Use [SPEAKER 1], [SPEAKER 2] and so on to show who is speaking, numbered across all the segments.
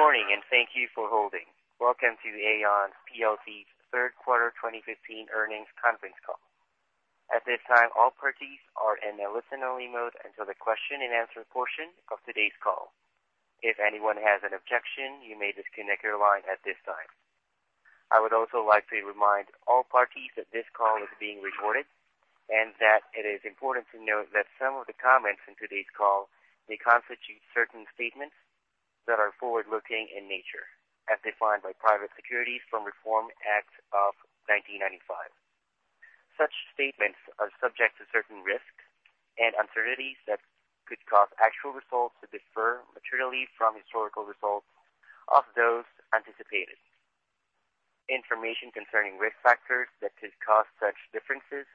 [SPEAKER 1] Good morning, thank you for holding. Welcome to the Aon plc third quarter 2015 earnings conference call. At this time, all parties are in a listen-only mode until the question and answer portion of today's call. If anyone has an objection, you may disconnect your line at this time. I would also like to remind all parties that this call is being recorded, and that it is important to note that some of the comments in today's call may constitute certain statements that are forward-looking in nature, as defined by Private Securities Litigation Reform Act of 1995. Such statements are subject to certain risks and uncertainties that could cause actual results to differ materially from historical results of those anticipated. Information concerning risk factors that could cause such differences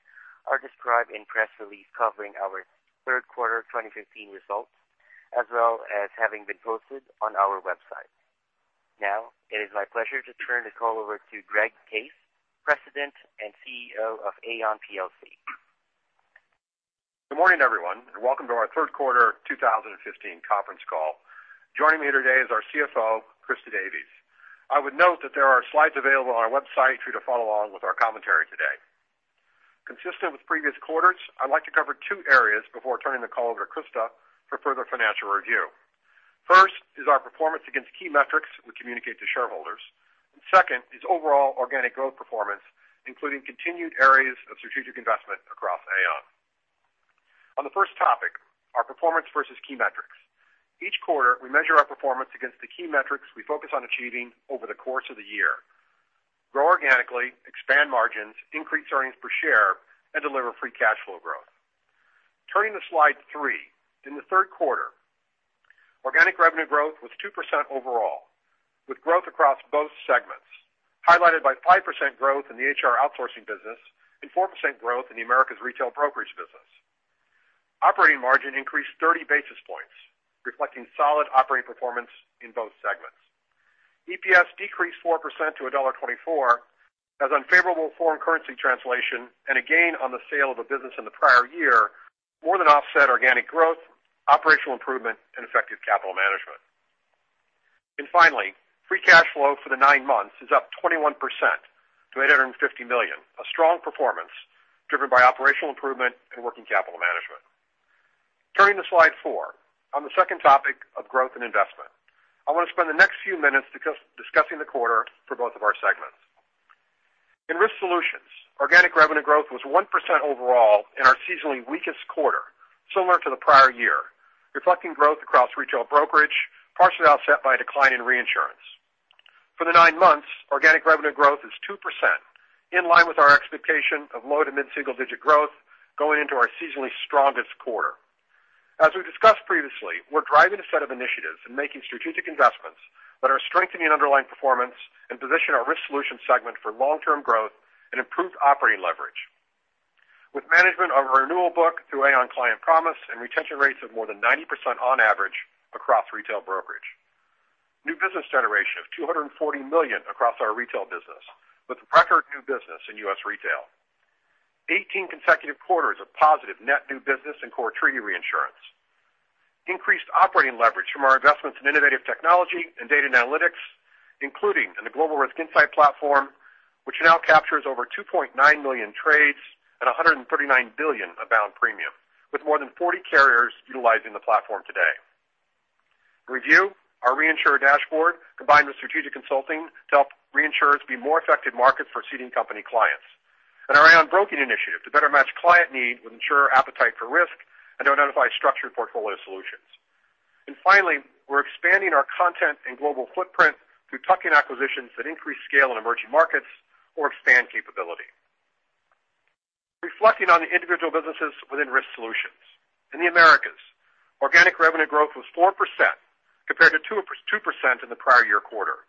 [SPEAKER 1] are described in press release covering our third quarter 2015 results, as well as having been posted on our website. Now, it is my pleasure to turn the call over to Greg Case, President and CEO of Aon plc.
[SPEAKER 2] Good morning, everyone, and welcome to our third quarter 2015 conference call. Joining me today is our CFO, Christa Davies. I would note that there are slides available on our website for you to follow along with our commentary today. Consistent with previous quarters, I would like to cover two areas before turning the call over to Christa for further financial review. First is our performance against key metrics we communicate to shareholders, and second is overall organic growth performance, including continued areas of strategic investment across Aon. On the first topic, our performance versus key metrics. Each quarter, we measure our performance against the key metrics we focus on achieving over the course of the year: grow organically, expand margins, increase earnings per share, and deliver free cash flow growth. Turning to slide three. In the third quarter, organic revenue growth was 2% overall, with growth across both segments, highlighted by 5% growth in the HR outsourcing business and 4% growth in the Americas retail brokerage business. Operating margin increased 30 basis points, reflecting solid operating performance in both segments. EPS decreased 4% to $1.24 as unfavorable foreign currency translation and a gain on the sale of a business in the prior year more than offset organic growth, operational improvement, and effective capital management. Finally, free cash flow for the 9 months is up 21% to $850 million, a strong performance driven by operational improvement and working capital management. Turning to slide four, on the second topic of growth and investment. I want to spend the next few minutes discussing the quarter for both of our segments. In Risk Solutions, organic revenue growth was 1% overall in our seasonally weakest quarter, similar to the prior year, reflecting growth across retail brokerage, partially offset by a decline in reinsurance. For the nine months, organic revenue growth is 2%, in line with our expectation of low- to mid-single digit growth going into our seasonally strongest quarter. As we discussed previously, we're driving a set of initiatives and making strategic investments that are strengthening underlying performance and position our Risk Solutions segment for long-term growth and improved operating leverage. With management of our renewal book through Aon Client Promise and retention rates of more than 90% on average across retail brokerage. New business generation of $240 million across our retail business, with record new business in U.S. retail. 18 consecutive quarters of positive net new business in core treaty reinsurance. Increased operating leverage from our investments in innovative technology and data analytics, including in the Global Risk Insight Platform, which now captures over 2.9 million trades and $139 billion of bound premium, with more than 40 carriers utilizing the platform today. ReView, our reinsurer dashboard combined with strategic consulting to help reinsurers be more effective markets for ceding company clients. Our Aon Broking initiative to better match client need with insurer appetite for risk and to identify structured portfolio solutions. Finally, we're expanding our content and global footprint through tuck-in acquisitions that increase scale in emerging markets or expand capability. Reflecting on the individual businesses within Risk Solutions. In the Americas, organic revenue growth was 4% compared to 2% in the prior year quarter.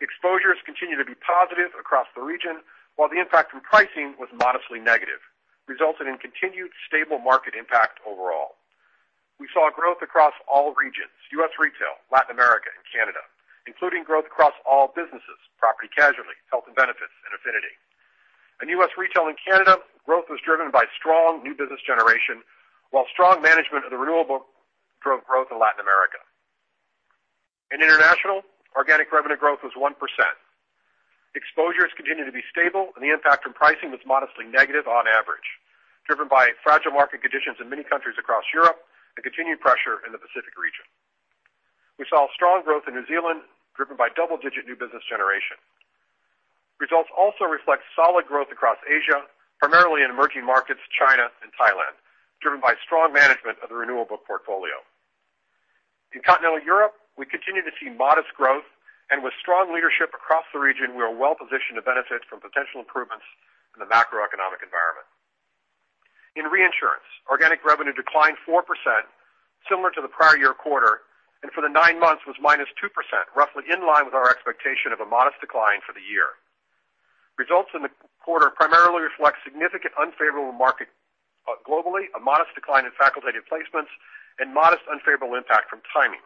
[SPEAKER 2] Exposures continued to be positive across the region, while the impact from pricing was modestly negative, resulting in continued stable market impact overall. We saw growth across all regions, U.S. retail, Latin America, and Canada, including growth across all businesses, property casualty, health and benefits, and affinity. In U.S. retail and Canada, growth was driven by strong new business generation, while strong management of the renewable drove growth in Latin America. In international, organic revenue growth was 1%. Exposures continued to be stable and the impact from pricing was modestly negative on average, driven by fragile market conditions in many countries across Europe and continued pressure in the Pacific region. We saw strong growth in New Zealand driven by double-digit new business generation. Results also reflect solid growth across Asia, primarily in emerging markets, China and Thailand, driven by strong management of the renewable portfolio. In Continental Europe, we continue to see modest growth. With strong leadership across the region, we are well positioned to benefit from potential improvements in the macroeconomic environment. In reinsurance, organic revenue declined 4%, similar to the prior year quarter, and for the nine months was minus 2%, roughly in line with our expectation of a modest decline for the year. Results in the quarter primarily reflect significant unfavorable market globally, a modest decline in facultative placements, and modest unfavorable impact from timing.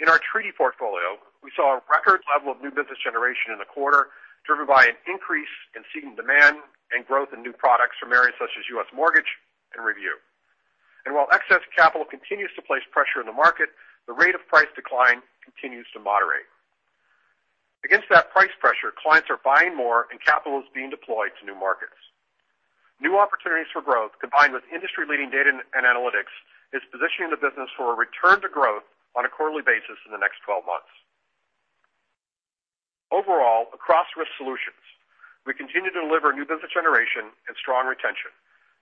[SPEAKER 2] In our treaty portfolio, we saw a record level of new business generation in the quarter, driven by an increase in ceding demand and growth in new products from areas such as U.S. mortgage and ReView. While excess capital continues to place pressure in the market, the rate of price decline continues to moderate. Against that price pressure, clients are buying more and capital is being deployed to new markets. New opportunities for growth, combined with industry-leading data and analytics, is positioning the business for a return to growth on a quarterly basis in the next 12 months. Overall, across Risk Solutions, we continue to deliver new business generation and strong retention,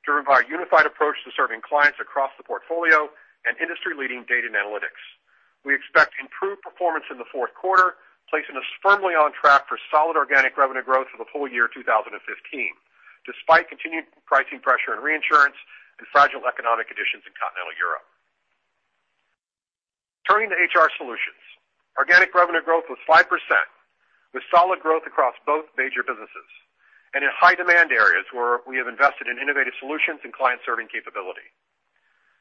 [SPEAKER 2] driven by a unified approach to serving clients across the portfolio and industry-leading data and analytics. We expect improved performance in the fourth quarter, placing us firmly on track for solid organic revenue growth for the full year 2015, despite continued pricing pressure in reinsurance and fragile economic conditions in continental Europe. Turning to HR Solutions. Organic revenue growth was 5%, with solid growth across both major businesses and in high-demand areas where we have invested in innovative solutions and client-serving capability.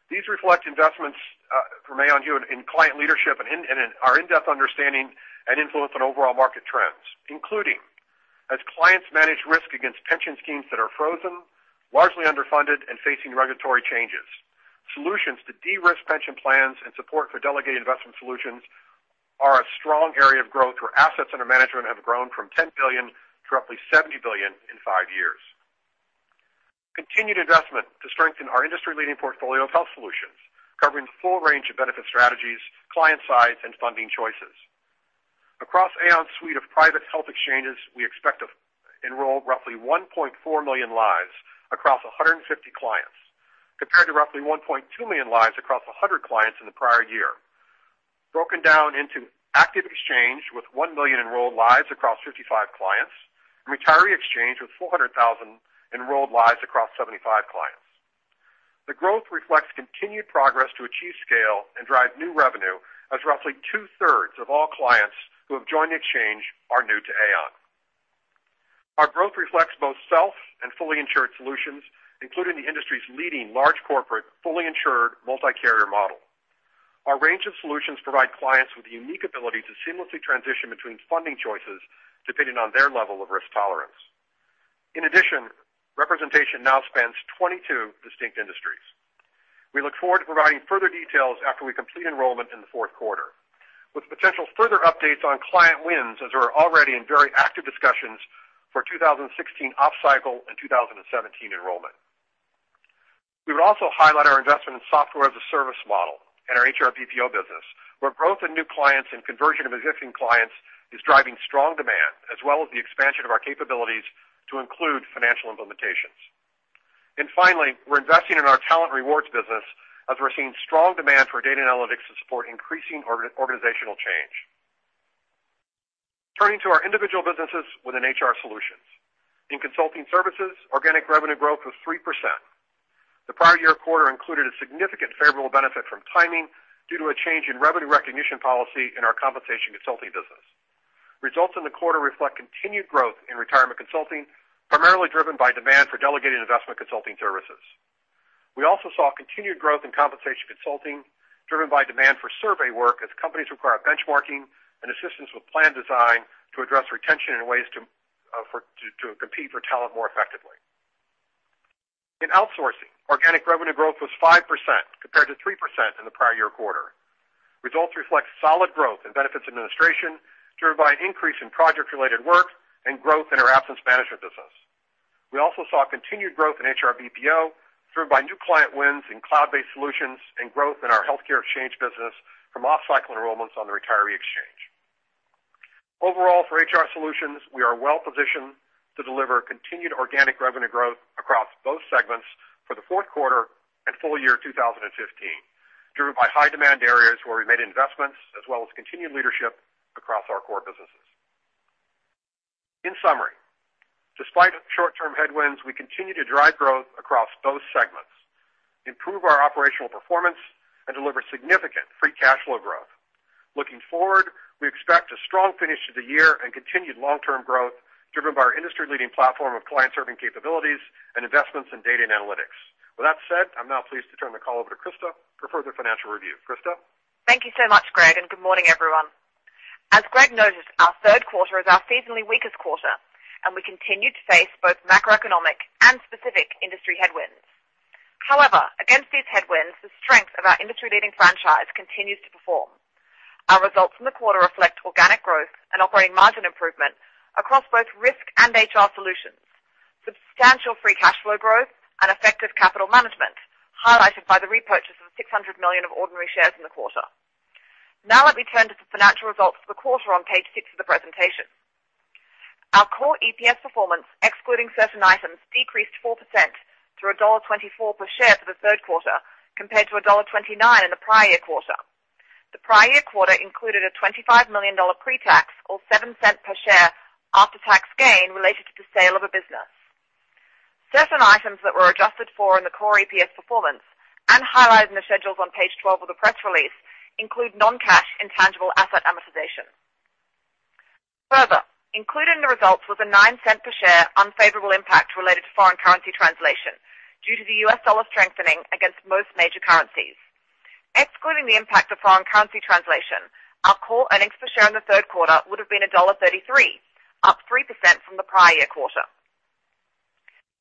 [SPEAKER 2] These reflect investments from Aon in client leadership and our in-depth understanding and influence on overall market trends, including as clients manage risk against pension schemes that are frozen, largely underfunded and facing regulatory changes. Solutions to de-risk pension plans and support for delegated investment solutions are a strong area of growth where assets under management have grown from $10 billion to roughly $70 billion in five years. Continued investment to strengthen our industry-leading portfolio of health solutions, covering the full range of benefit strategies, client size, and funding choices. Across Aon's suite of private health exchanges, we expect to enroll roughly 1.4 million lives across 150 clients, compared to roughly 1.2 million lives across 100 clients in the prior year. Broken down into active exchange, with 1 million enrolled lives across 55 clients, and retiree exchange with 400,000 enrolled lives across 75 clients. The growth reflects continued progress to achieve scale and drive new revenue, as roughly two-thirds of all clients who have joined the exchange are new to Aon. Our growth reflects both self and fully insured solutions, including the industry's leading large corporate, fully insured multi-carrier model. Our range of solutions provide clients with the unique ability to seamlessly transition between funding choices, depending on their level of risk tolerance. In addition, representation now spans 22 distinct industries. We look forward to providing further details after we complete enrollment in the fourth quarter, with potential further updates on client wins as we are already in very active discussions for 2016 off-cycle and 2017 enrollment. We would also highlight our investment in Software-as-a-Service model and our HR BPO business, where growth in new clients and conversion of existing clients is driving strong demand, as well as the expansion of our capabilities to include financial implementations. Finally, we're investing in our talent rewards business as we're seeing strong demand for data and analytics to support increasing organizational change. Turning to our individual businesses within HR Solutions. In consulting services, organic revenue growth was 3%. The prior year quarter included a significant favorable benefit from timing due to a change in revenue recognition policy in our compensation consulting business. Results in the quarter reflect continued growth in retirement consulting, primarily driven by demand for delegated investment consulting services. We also saw continued growth in compensation consulting, driven by demand for survey work as companies require benchmarking and assistance with plan design to address retention and ways to compete for talent more effectively. In outsourcing, organic revenue growth was 5% compared to 3% in the prior year quarter. Results reflect solid growth in benefits administration, driven by an increase in project-related work and growth in our absence management business. We also saw continued growth in HR BPO, driven by new client wins in cloud-based solutions and growth in our healthcare exchange business from off-cycle enrollments on the retiree exchange. Overall, for HR Solutions, we are well-positioned to deliver continued organic revenue growth across both segments for the fourth quarter and full year 2015, driven by high demand areas where we made investments, as well as continued leadership across our core businesses. In summary, despite short-term headwinds, we continue to drive growth across both segments, improve our operational performance, and deliver significant free cash flow growth. Looking forward, we expect a strong finish to the year and continued long-term growth driven by our industry-leading platform of client-serving capabilities and investments in data and analytics. With that said, I'm now pleased to turn the call over to Christa for further financial review. Christa?
[SPEAKER 3] Thank you so much, Greg, and good morning, everyone. As Greg noted, our third quarter is our seasonally weakest quarter, and we continued to face both macroeconomic and specific industry headwinds. However, against these headwinds, the strength of our industry-leading franchise continues to perform. Our results from the quarter reflect organic growth and operating margin improvement across both Risk and HR Solutions, substantial free cash flow growth, and effective capital management, highlighted by the repurchase of $600 million of ordinary shares in the quarter. Now let me turn to the financial results for the quarter on page six of the presentation. Our core EPS performance, excluding certain items, decreased 4% to $1.24 per share for the third quarter compared to $1.29 in the prior year quarter. The prior year quarter included a $25 million pre-tax or $0.07 per share after-tax gain related to the sale of a business. Certain items that were adjusted for in the core EPS performance and highlighted in the schedules on page 12 of the press release include non-cash intangible asset amortization. Further, included in the results was a $0.09 per share unfavorable impact related to foreign currency translation due to the U.S. dollar strengthening against most major currencies. Excluding the impact of foreign currency translation, our core earnings per share in the third quarter would have been $1.33, up 3% from the prior year quarter.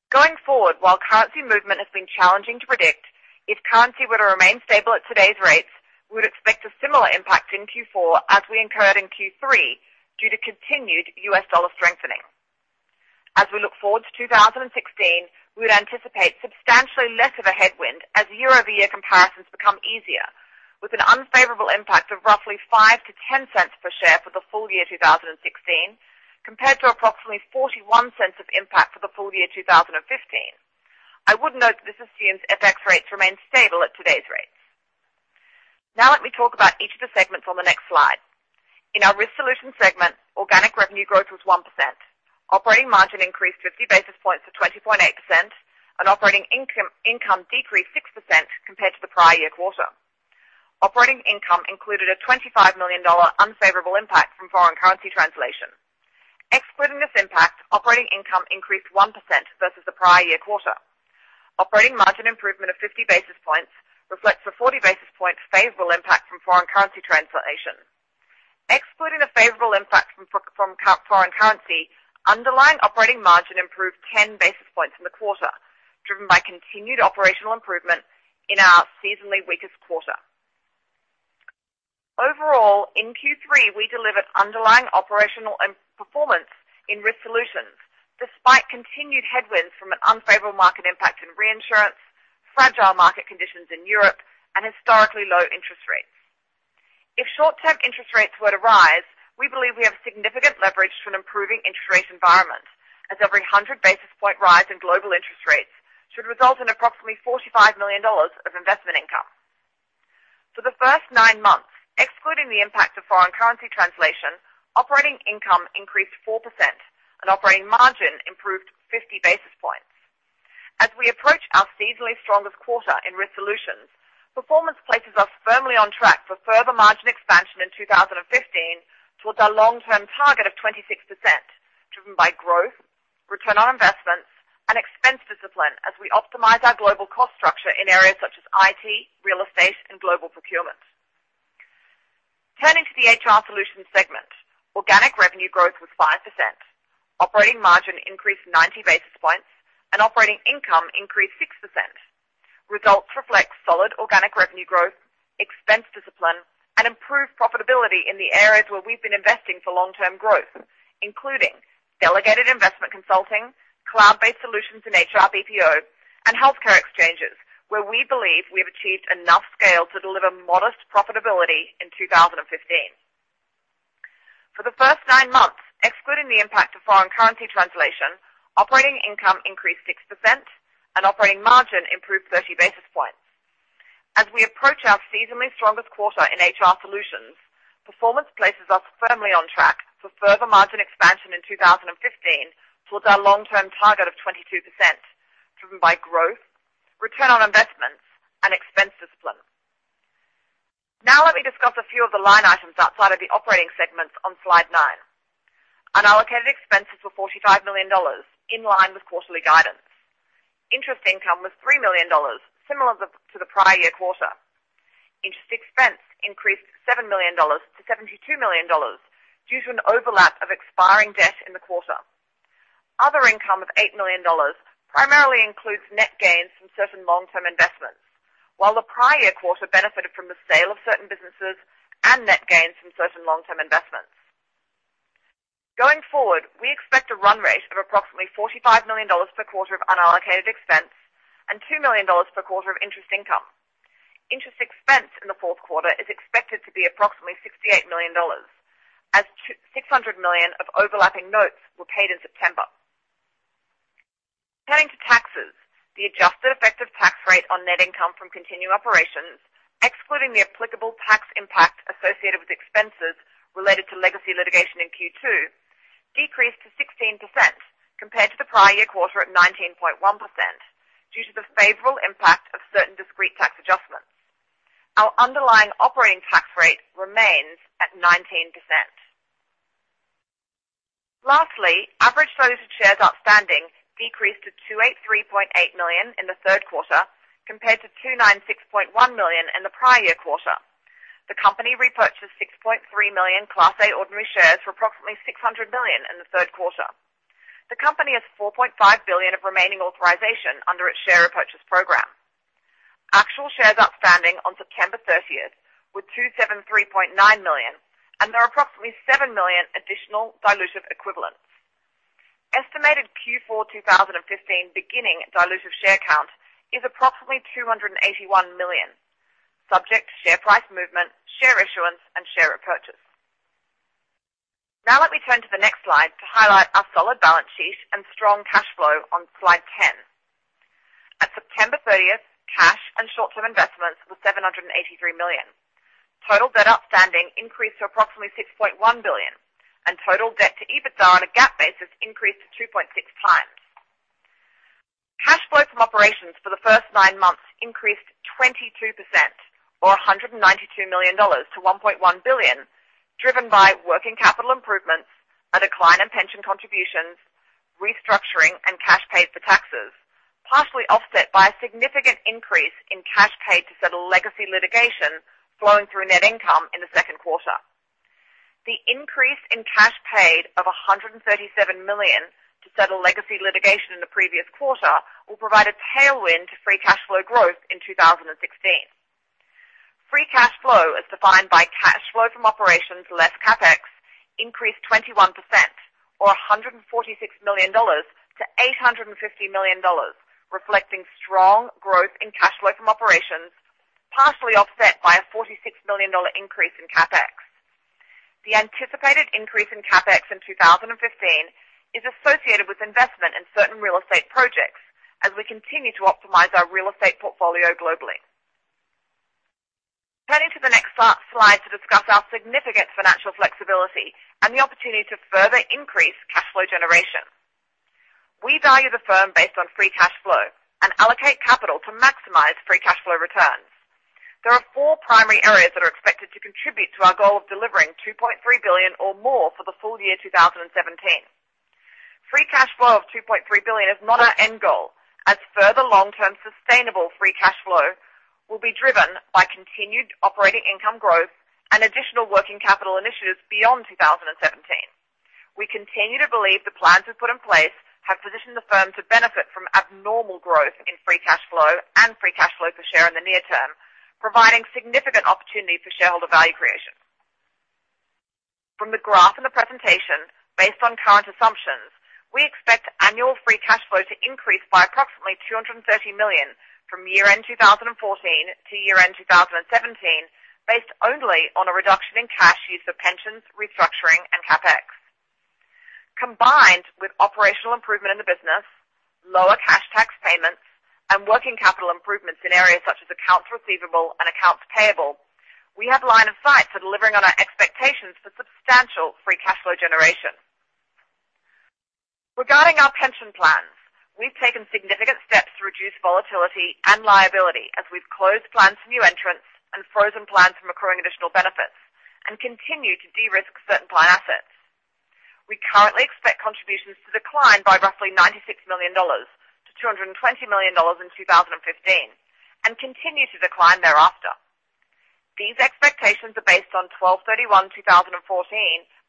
[SPEAKER 3] Going forward, while currency movement has been challenging to predict, if currency were to remain stable at today's rates, we would expect a similar impact in Q4 as we incurred in Q3 due to continued U.S. dollar strengthening. As we look forward to 2016, we would anticipate substantially less of a headwind as year-over-year comparisons become easier, with an unfavorable impact of roughly $0.05-$0.10 per share for the full year 2016, compared to approximately $0.41 of impact for the full year 2015. I would note that this assumes FX rates remain stable at today's rates. Let me talk about each of the segments on the next slide. In our Risk Solutions segment, organic revenue growth was 1%. Operating margin increased 50 basis points to 20.8%, and operating income decreased 6% compared to the prior year quarter. Operating income included a $25 million unfavorable impact from foreign currency translation. Excluding this impact, operating income increased 1% versus the prior year quarter. Operating margin improvement of 50 basis points reflects the 40 basis point favorable impact from foreign currency translation. Excluding the favorable impact from foreign currency, underlying operating margin improved 10 basis points in the quarter, driven by continued operational improvement in our seasonally weakest quarter. Overall, in Q3, we delivered underlying operational performance in Risk Solutions, despite continued headwinds from an unfavorable market impact in reinsurance, fragile market conditions in Europe, and historically low interest rates. If short-term interest rates were to rise, we believe we have significant leverage from improving interest rate environments, as every 100 basis point rise in global interest rates should result in approximately $45 million of investment income. For the first nine months, excluding the impact of foreign currency translation, operating income increased 4% and operating margin improved 50 basis points. As we approach our seasonally strongest quarter in Risk Solutions, performance places us firmly on track for further margin expansion in 2015 towards our long-term target of 26%, driven by growth, return on investments, and expense discipline as we optimize our global cost structure in areas such as IT, real estate, and global procurement. Turning to the HR Solutions segment, organic revenue growth was 5%, operating margin increased 90 basis points, and operating income increased 6%. Results reflect solid organic revenue growth, expense discipline, and improved profitability in the areas where we've been investing for long-term growth, including delegated investment consulting, cloud-based solutions in HR BPO, and healthcare exchanges, where we believe we have achieved enough scale to deliver modest profitability in 2015. For the first nine months, excluding the impact of foreign currency translation, operating income increased 6% and operating margin improved 30 basis points. As we approach our seasonally strongest quarter in HR Solutions, performance places us firmly on track for further margin expansion in 2015 towards our long-term target of 22%, driven by growth, return on investments, and expense discipline. Let me discuss a few of the line items outside of the operating segments on slide nine. Unallocated expenses were $45 million, in line with quarterly guidance. Interest income was $3 million, similar to the prior year quarter. Interest expense increased $7 million to $72 million due to an overlap of expiring debt in the quarter. Other income of $8 million primarily includes net gains from certain long-term investments. The prior year quarter benefited from the sale of certain businesses and net gains from certain long-term investments. Going forward, we expect a run rate of approximately $45 million per quarter of unallocated expense and $2 million per quarter of interest income. Interest expense in the fourth quarter is expected to be approximately $68 million as $600 million of overlapping notes were paid in September. Turning to taxes, the adjusted effective tax rate on net income from continued operations, excluding the applicable tax impact associated with expenses related to legacy litigation in Q2, decreased to 16% compared to the prior year quarter at 19.1% due to the favorable impact of certain discrete tax adjustments. Our underlying operating tax rate remains at 19%. Lastly, average shares outstanding decreased to 283.8 million in the third quarter compared to 296.1 million in the prior year quarter. The company repurchased 6.3 million Class A ordinary shares for approximately $600 million in the third quarter. The company has $4.5 billion of remaining authorization under its share repurchase program. Actual shares outstanding on September 30th were 273.9 million, and there are approximately seven million additional dilutive equivalents. Estimated Q4 2015 beginning dilutive share count is approximately 281 million, subject to share price movement, share issuance, and share repurchase. Now let me turn to the next slide to highlight our solid balance sheet and strong cash flow on slide 10. At September 30th, cash and short-term investments were $783 million. Total debt outstanding increased to approximately $6.1 billion, and total debt to EBITDA on a GAAP basis increased to 2.6 times. Cash flow from operations for the first nine months increased 22% or $192 million to $1.1 billion, driven by working capital improvements, a decline in pension contributions, Restructuring and cash paid for taxes, partially offset by a significant increase in cash paid to settle legacy litigation flowing through net income in the second quarter. The increase in cash paid of $137 million to settle legacy litigation in the previous quarter will provide a tailwind to free cash flow growth in 2016. Free cash flow as defined by cash flow from operations less CapEx increased 21% or $146 million to $850 million, reflecting strong growth in cash flow from operations, partially offset by a $46 million increase in CapEx. The anticipated increase in CapEx in 2015 is associated with investment in certain real estate projects as we continue to optimize our real estate portfolio globally. Turning to the next slide to discuss our significant financial flexibility and the opportunity to further increase cash flow generation. We value the firm based on free cash flow and allocate capital to maximize free cash flow returns. There are four primary areas that are expected to contribute to our goal of delivering $2.3 billion or more for the full year 2017. Free cash flow of $2.3 billion is not our end goal, as further long-term sustainable free cash flow will be driven by continued operating income growth and additional working capital initiatives beyond 2017. We continue to believe the plans we've put in place have positioned the firm to benefit from abnormal growth in free cash flow and free cash flow per share in the near term, providing significant opportunity for shareholder value creation. From the graph in the presentation, based on current assumptions, we expect annual free cash flow to increase by approximately $230 million from year-end 2014 to year-end 2017, based only on a reduction in cash used for pensions, restructuring, and CapEx. Combined with operational improvement in the business, lower cash tax payments, and working capital improvements in areas such as accounts receivable and accounts payable, we have line of sight to delivering on our expectations for substantial free cash flow generation. Regarding our pension plans, we've taken significant steps to reduce volatility and liability as we've closed plans to new entrants and frozen plans from accruing additional benefits and continue to de-risk certain plan assets. We currently expect contributions to decline by roughly $96 million to $220 million in 2015 and continue to decline thereafter. These expectations are based on 12/31/2014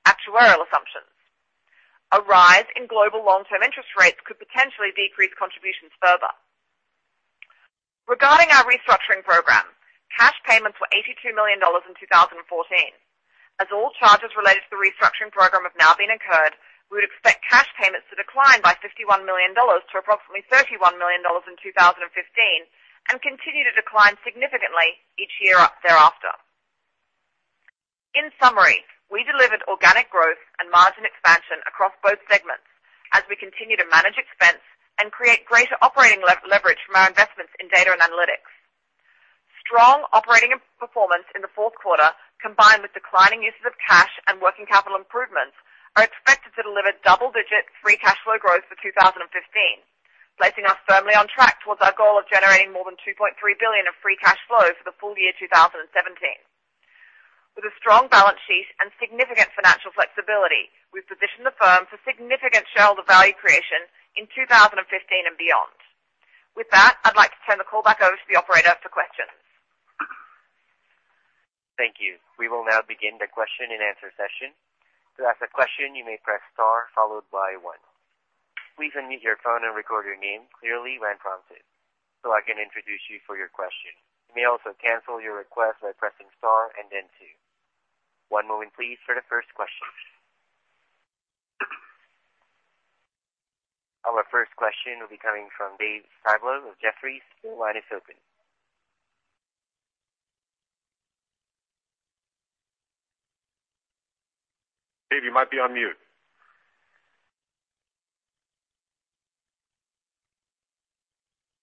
[SPEAKER 3] actuarial assumptions. A rise in global long-term interest rates could potentially decrease contributions further. Regarding our restructuring program, cash payments were $82 million in 2014. As all charges related to the restructuring program have now been incurred, we would expect cash payments to decline by $51 million to approximately $31 million in 2015 and continue to decline significantly each year thereafter. In summary, we delivered organic growth and margin expansion across both segments as we continue to manage expense and create greater operating leverage from our investments in data and analytics. Strong operating performance in the fourth quarter, combined with declining uses of cash and working capital improvements, are expected to deliver double-digit free cash flow growth for 2015, placing us firmly on track towards our goal of generating more than $2.3 billion of free cash flow for the full year 2017. With a strong balance sheet and significant financial flexibility, we've positioned the firm for significant shareholder value creation in 2015 and beyond. With that, I'd like to turn the call back over to the operator for questions.
[SPEAKER 1] Thank you. We will now begin the question-and-answer session. To ask a question, you may press star followed by one. Please unmute your phone and record your name clearly when prompted so I can introduce you for your question. You may also cancel your request by pressing star and then two. One moment please for the first question. Our first question will be coming from David Styblo of Jefferies. Your line is open.
[SPEAKER 3] Dave, you might be on mute.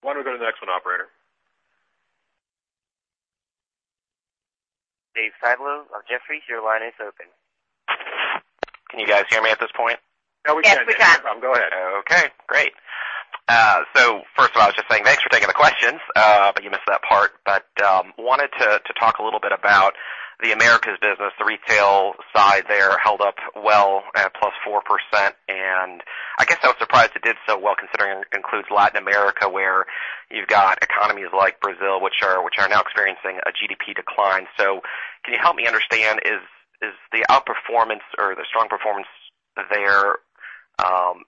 [SPEAKER 3] Why don't we go to the next one, operator?
[SPEAKER 1] David Styblo of Jefferies, your line is open.
[SPEAKER 4] Can you guys hear me at this point?
[SPEAKER 3] Yeah, we can.
[SPEAKER 1] Yes, we can.
[SPEAKER 3] Go ahead.
[SPEAKER 4] Okay, great. First of all, I was just saying thanks for taking the questions, you missed that part. Wanted to talk a little bit about the Americas business. The retail side there held up well at +4%, and I guess I was surprised it did so well considering it includes Latin America, where you've got economies like Brazil, which are now experiencing a GDP decline. Can you help me understand, is the outperformance or the strong performance there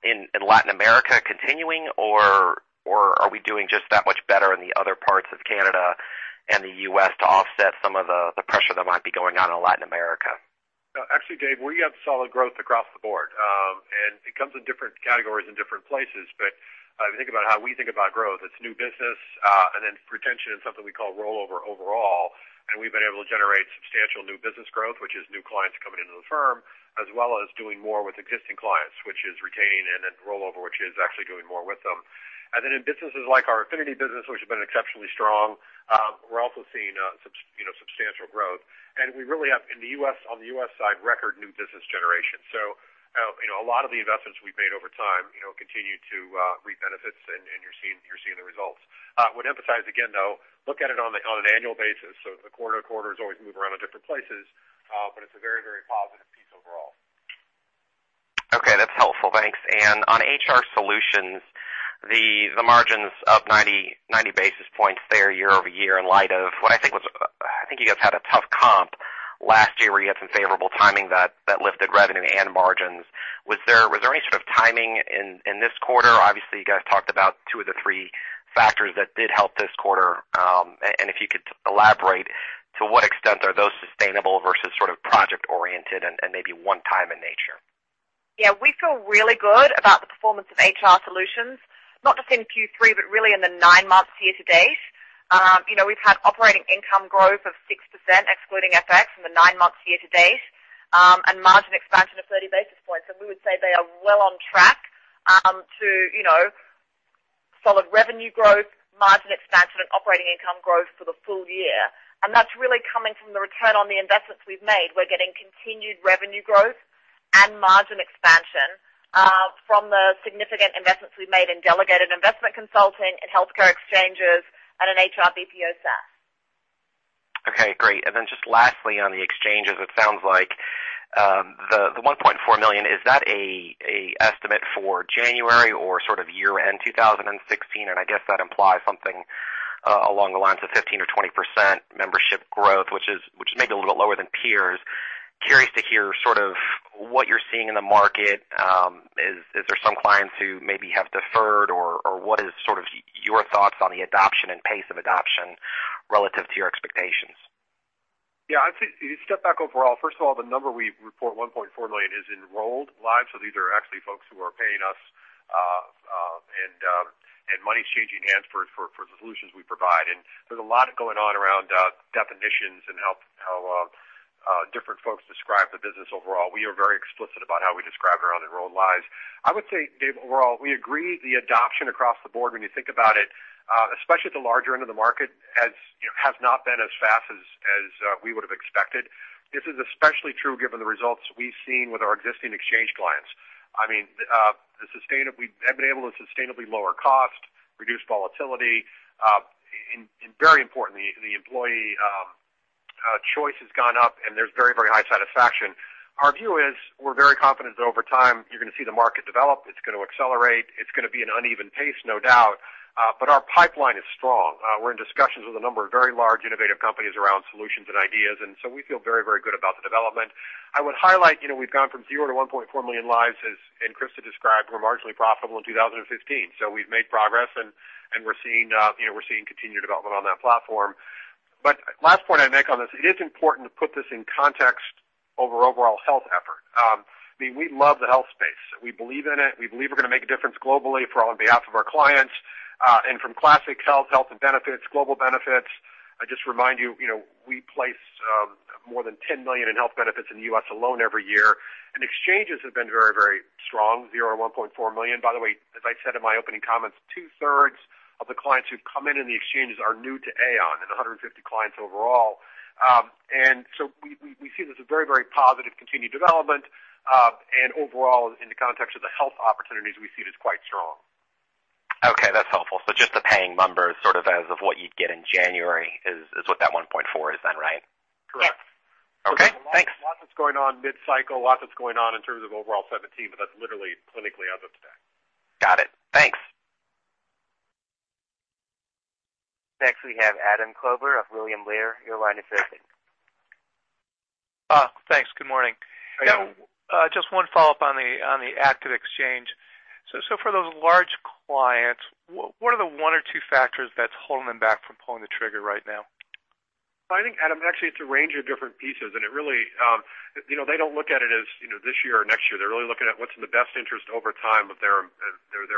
[SPEAKER 4] in Latin America continuing, or are we doing just that much better in the other parts of Canada and the U.S. to offset some of the pressure that might be going on in Latin America?
[SPEAKER 3] Actually, Dave, we have solid growth across the board. It comes in different categories in different places. If you think about how we think about growth, it's new business, then retention and something we call rollover overall. We've been able to generate substantial new business growth, which is new clients coming into the firm, as well as doing more with existing clients, which is retaining, then rollover, which is actually doing more with them. In businesses like our affinity business, which has been exceptionally strong, we're also seeing substantial growth. We really have on the U.S. side, record new business generation. A lot of the investments we've made over time continue to reap benefits, you're seeing the results. I would emphasize again, though, look at it on an annual basis. The quarter-to-quarter is always moving around at different places, but it's a very, very positive piece overall.
[SPEAKER 4] Okay, that's helpful. Thanks. On HR Solutions, the margins up 90 basis points there year-over-year in light of what I think was I think you guys had a tough comp last year where you had some favorable timing that lifted revenue and margins. Was there any sort of timing in this quarter? Obviously, you guys talked about two of the three factors that did help this quarter. If you could elaborate, to what extent are those sustainable versus project-oriented and maybe one-time in nature?
[SPEAKER 3] Yeah, we feel really good about the performance of HR Solutions, not just in Q3, but really in the nine months year-to-date. We've had operating income growth of 6%, excluding FX in the nine months year-to-date, and margin expansion of 30 basis points. We would say they are well on track to solid revenue growth, margin expansion, and operating income growth for the full year. That's really coming from the return on the investments we've made. We're getting continued revenue growth and margin expansion from the significant investments we've made in delegated investment consulting and healthcare exchanges and an HR BPO SaaS.
[SPEAKER 4] Okay, great. Then just lastly, on the exchanges, it sounds like the $1.4 million, is that an estimate for January or year-end 2016? I guess that implies something along the lines of 15% or 20% membership growth, which is maybe a little lower than peers. Curious to hear what you're seeing in the market. Is there some clients who maybe have deferred, or what is your thoughts on the adoption and pace of adoption relative to your expectations?
[SPEAKER 2] I'd say step back overall. First of all, the number we report, 1.4 million, is enrolled lives. So these are actually folks who are paying us, and money's changing hands for the solutions we provide. There's a lot going on around definitions and how different folks describe the business overall. We are very explicit about how we describe our enrolled lives. I would say, Dave, overall, we agree the adoption across the board, when you think about it, especially at the larger end of the market, has not been as fast as we would have expected. This is especially true given the results we've seen with our existing exchange clients. We have been able to sustainably lower cost, reduce volatility, and very importantly, the employee choice has gone up, and there's very high satisfaction. Our view is we're very confident that over time, you're going to see the market develop. It's going to accelerate. It's going to be an uneven pace, no doubt. Our pipeline is strong. We're in discussions with a number of very large, innovative companies around solutions and ideas, and we feel very good about the development. I would highlight, we've gone from zero to 1.4 million lives, and Christa described, we're marginally profitable in 2015. We've made progress, and we're seeing continued development on that platform. Last point I'd make on this, it is important to put this in context of our overall health effort. We love the health space. We believe in it. We believe we're going to make a difference globally on behalf of our clients. From classic health and benefits, global benefits, I just remind you, we place more than 10 million in health benefits in the U.S. alone every year, and exchanges have been very strong, zero to 1.4 million. By the way, as I said in my opening comments, two-thirds of the clients who've come in the exchanges are new to Aon and 150 clients overall. We see this as very positive continued development. Overall, in the context of the health opportunities, we see it as quite strong.
[SPEAKER 4] Okay, that's helpful. Just the paying members as of what you'd get in January is what that 1.4 is then, right?
[SPEAKER 2] Correct.
[SPEAKER 3] Yes.
[SPEAKER 4] Okay, thanks.
[SPEAKER 2] Lots that's going on mid-cycle, lots that's going on in terms of overall 2017, but that's literally clinically as of today.
[SPEAKER 4] Got it. Thanks.
[SPEAKER 1] Next, we have Adam Klauber of William Blair. Your line is open.
[SPEAKER 5] Thanks. Good morning.
[SPEAKER 2] Hi.
[SPEAKER 5] Just one follow-up on the active exchange. For those large clients, what are the one or two factors that's holding them back from pulling the trigger right now?
[SPEAKER 2] I think, Adam, actually, it's a range of different pieces. They don't look at it as this year or next year. They're really looking at what's in the best interest over time of their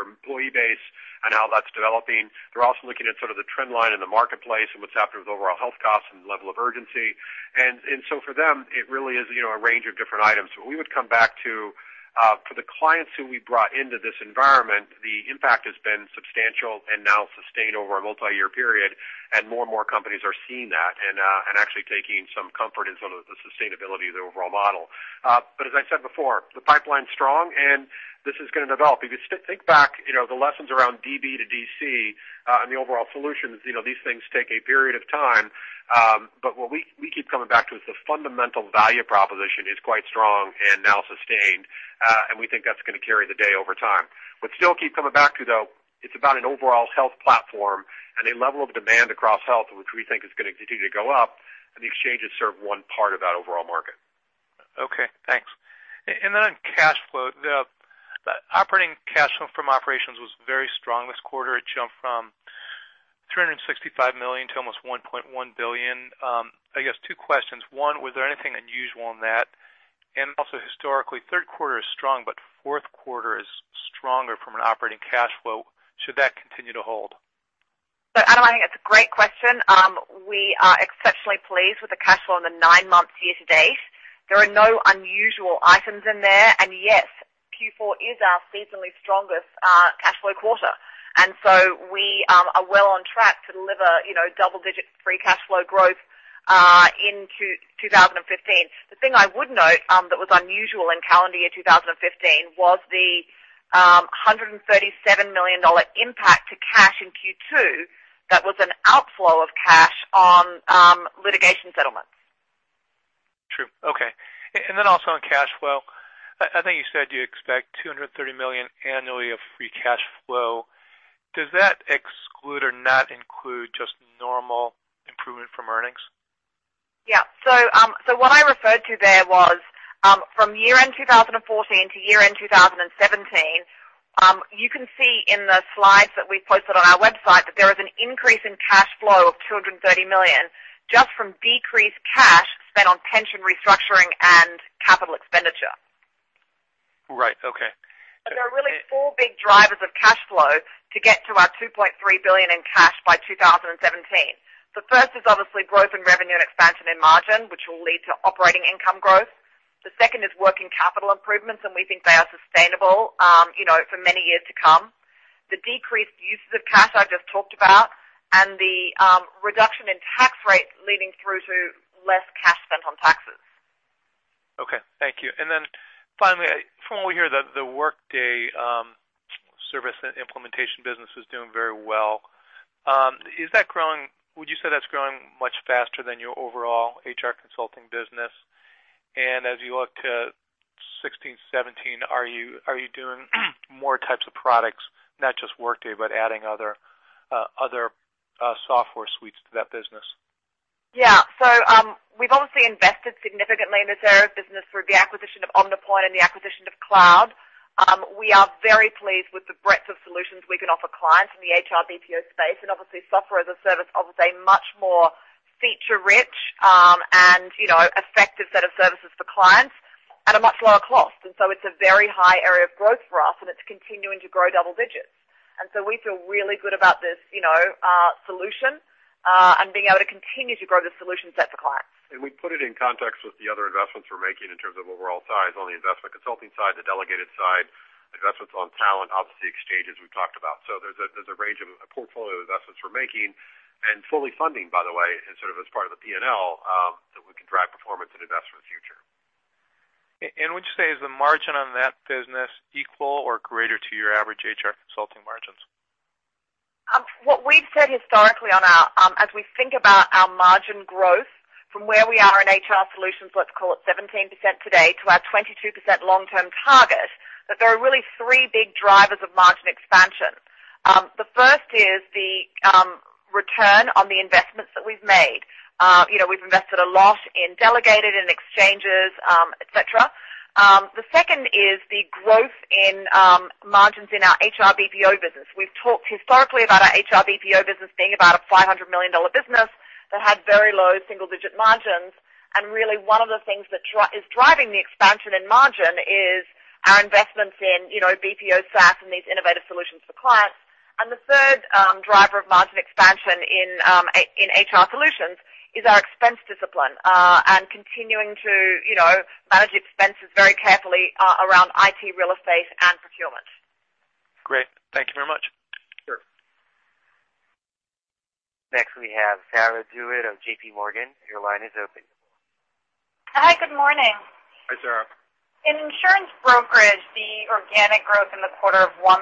[SPEAKER 2] employee base and how that's developing. They're also looking at the trend line in the marketplace and what's happening with overall health costs and the level of urgency. For them, it really is a range of different items. We would come back to, for the clients who we brought into this environment, the impact has been substantial and now sustained over a multi-year period. More and more companies are seeing that and actually taking some comfort in some of the sustainability of the overall model. As I said before, the pipeline's strong, and this is going to develop. If you think back, the lessons around DB to DC and the overall solutions, these things take a period of time. What we keep coming back to is the fundamental value proposition is quite strong and now sustained. We think that's going to carry the day over time. We still keep coming back to, though, it's about an overall health platform and a level of demand across health, which we think is going to continue to go up. The exchanges serve one part of that overall market.
[SPEAKER 5] Okay, thanks. On cash flow, the operating cash flow from operations was very strong this quarter. It jumped from $365 million to almost $1.1 billion. I guess two questions. One, was there anything unusual in that? Historically, third quarter is strong, but fourth quarter is stronger from an operating cash flow. Should that continue to hold?
[SPEAKER 3] Adam, I think that's a great question. We are exceptionally pleased with the cash flow in the nine months year-to-date. There are no unusual items in there. Yes, Q4 is our seasonally strongest cash flow quarter. We are well on track to deliver double-digit free cash flow growth in 2015. The thing I would note that was unusual in calendar year 2015 was the $137 million impact to cash in Q2 that was an outflow of cash on litigation settlements.
[SPEAKER 5] True. Okay. On cash flow, I think you said you expect $230 million annually of free cash flow. Does that exclude or not include just normal improvement from earnings?
[SPEAKER 3] Yeah. What I referred to there was from year-end 2014 to year-end 2017, you can see in the slides that we've posted on our website that there is an increase in cash flow of $230 million just from decreased cash spent on pension restructuring and capital expenditure.
[SPEAKER 5] Right. Okay.
[SPEAKER 3] There are really four big drivers of cash flow to get to our $2.3 billion in cash by 2017. The first is obviously growth in revenue and expansion in margin, which will lead to operating income growth. The second is working capital improvements, and we think they are sustainable for many years to come. The decreased uses of cash I just talked about and the reduction in tax rate leading through to less cash spent on taxes.
[SPEAKER 5] Okay, thank you. Finally, from what we hear, the Workday service and implementation business is doing very well. Would you say that's growing much faster than your overall HR consulting business? As you look to 2016, 2017, are you doing more types of products, not just Workday, but adding other software suites to that business?
[SPEAKER 3] Yeah. We've obviously invested significantly in this area of the business through the acquisition of OmniPoint and the acquisition of Kloud. We are very pleased with the breadth of solutions we can offer clients in the HR BPO space, and obviously, software as a service offers a much more feature-rich and effective set of services for clients at a much lower cost. It's a very high area of growth for us, and it's continuing to grow double digits. We feel really good about this solution, and being able to continue to grow the solution set for clients.
[SPEAKER 2] We put it in context with the other investments we're making in terms of overall size on the investment consulting side, the delegated side, investments on talent, obviously exchanges we've talked about. There's a range of portfolio investments we're making and fully funding, by the way, and sort of as part of the P&L, that we can drive performance and investment future.
[SPEAKER 5] Would you say, is the margin on that business equal or greater to your average HR consulting margins?
[SPEAKER 3] What we've said historically, as we think about our margin growth from where we are in HR Solutions, let's call it 17% today, to our 22% long-term target, that there are really three big drivers of margin expansion. The first is the return on the investments that we've made. We've invested a lot in delegated and exchanges, et cetera. The second is the growth in margins in our HR BPO business. We've talked historically about our HR BPO business being about a $500 million business that had very low single-digit margins. Really one of the things that is driving the expansion in margin is our investments in BPO SaaS and these innovative solutions for clients. The third driver of margin expansion in HR Solutions is our expense discipline, and continuing to manage expenses very carefully around IT real estate and procurement.
[SPEAKER 5] Great. Thank you very much.
[SPEAKER 2] Sure.
[SPEAKER 1] Next, we have Sarah DeWitt of JPMorgan. Your line is open.
[SPEAKER 6] Hi, good morning.
[SPEAKER 2] Hi, Sarah.
[SPEAKER 6] In insurance brokerage, the organic growth in the quarter of 1%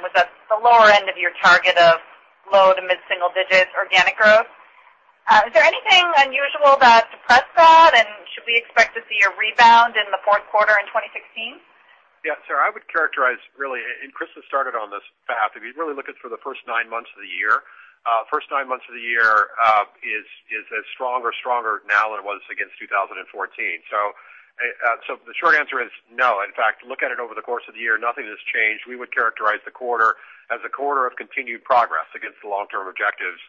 [SPEAKER 6] was at the lower end of your target of low to mid single digits organic growth. Is there anything unusual that suppressed that, and should we expect to see a rebound in the fourth quarter in 2016?
[SPEAKER 2] Yeah, Sarah, I would characterize really. Chris has started on this path. If you really look at for the first nine months of the year, first nine months of the year is as strong or stronger now than it was against 2014. The short answer is no. In fact, look at it over the course of the year, nothing has changed. We would characterize the quarter as a quarter of continued progress against the long-term objectives.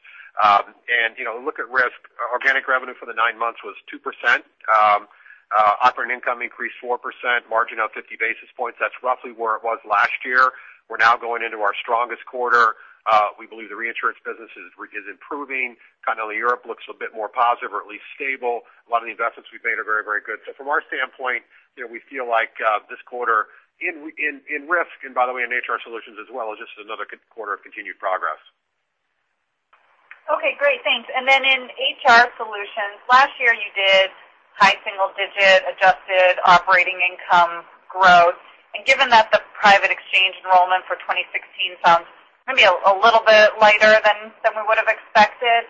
[SPEAKER 2] Look at Risk Solutions, organic revenue for the nine months was 2%. Operating income increased 4%, margin up 50 basis points. That's roughly where it was last year. We're now going into our strongest quarter. We believe the reinsurance business is improving. Continental Europe looks a bit more positive or at least stable. A lot of the investments we've made are very, very good. From our standpoint, we feel like this quarter in Risk Solutions, and by the way, in HR Solutions as well, is just another quarter of continued progress.
[SPEAKER 6] Okay, great. Thanks. In HR Solutions, last year you did high single-digit adjusted operating income growth. Given that the private exchange enrollment for 2016 sounds maybe a little bit lighter than we would have expected,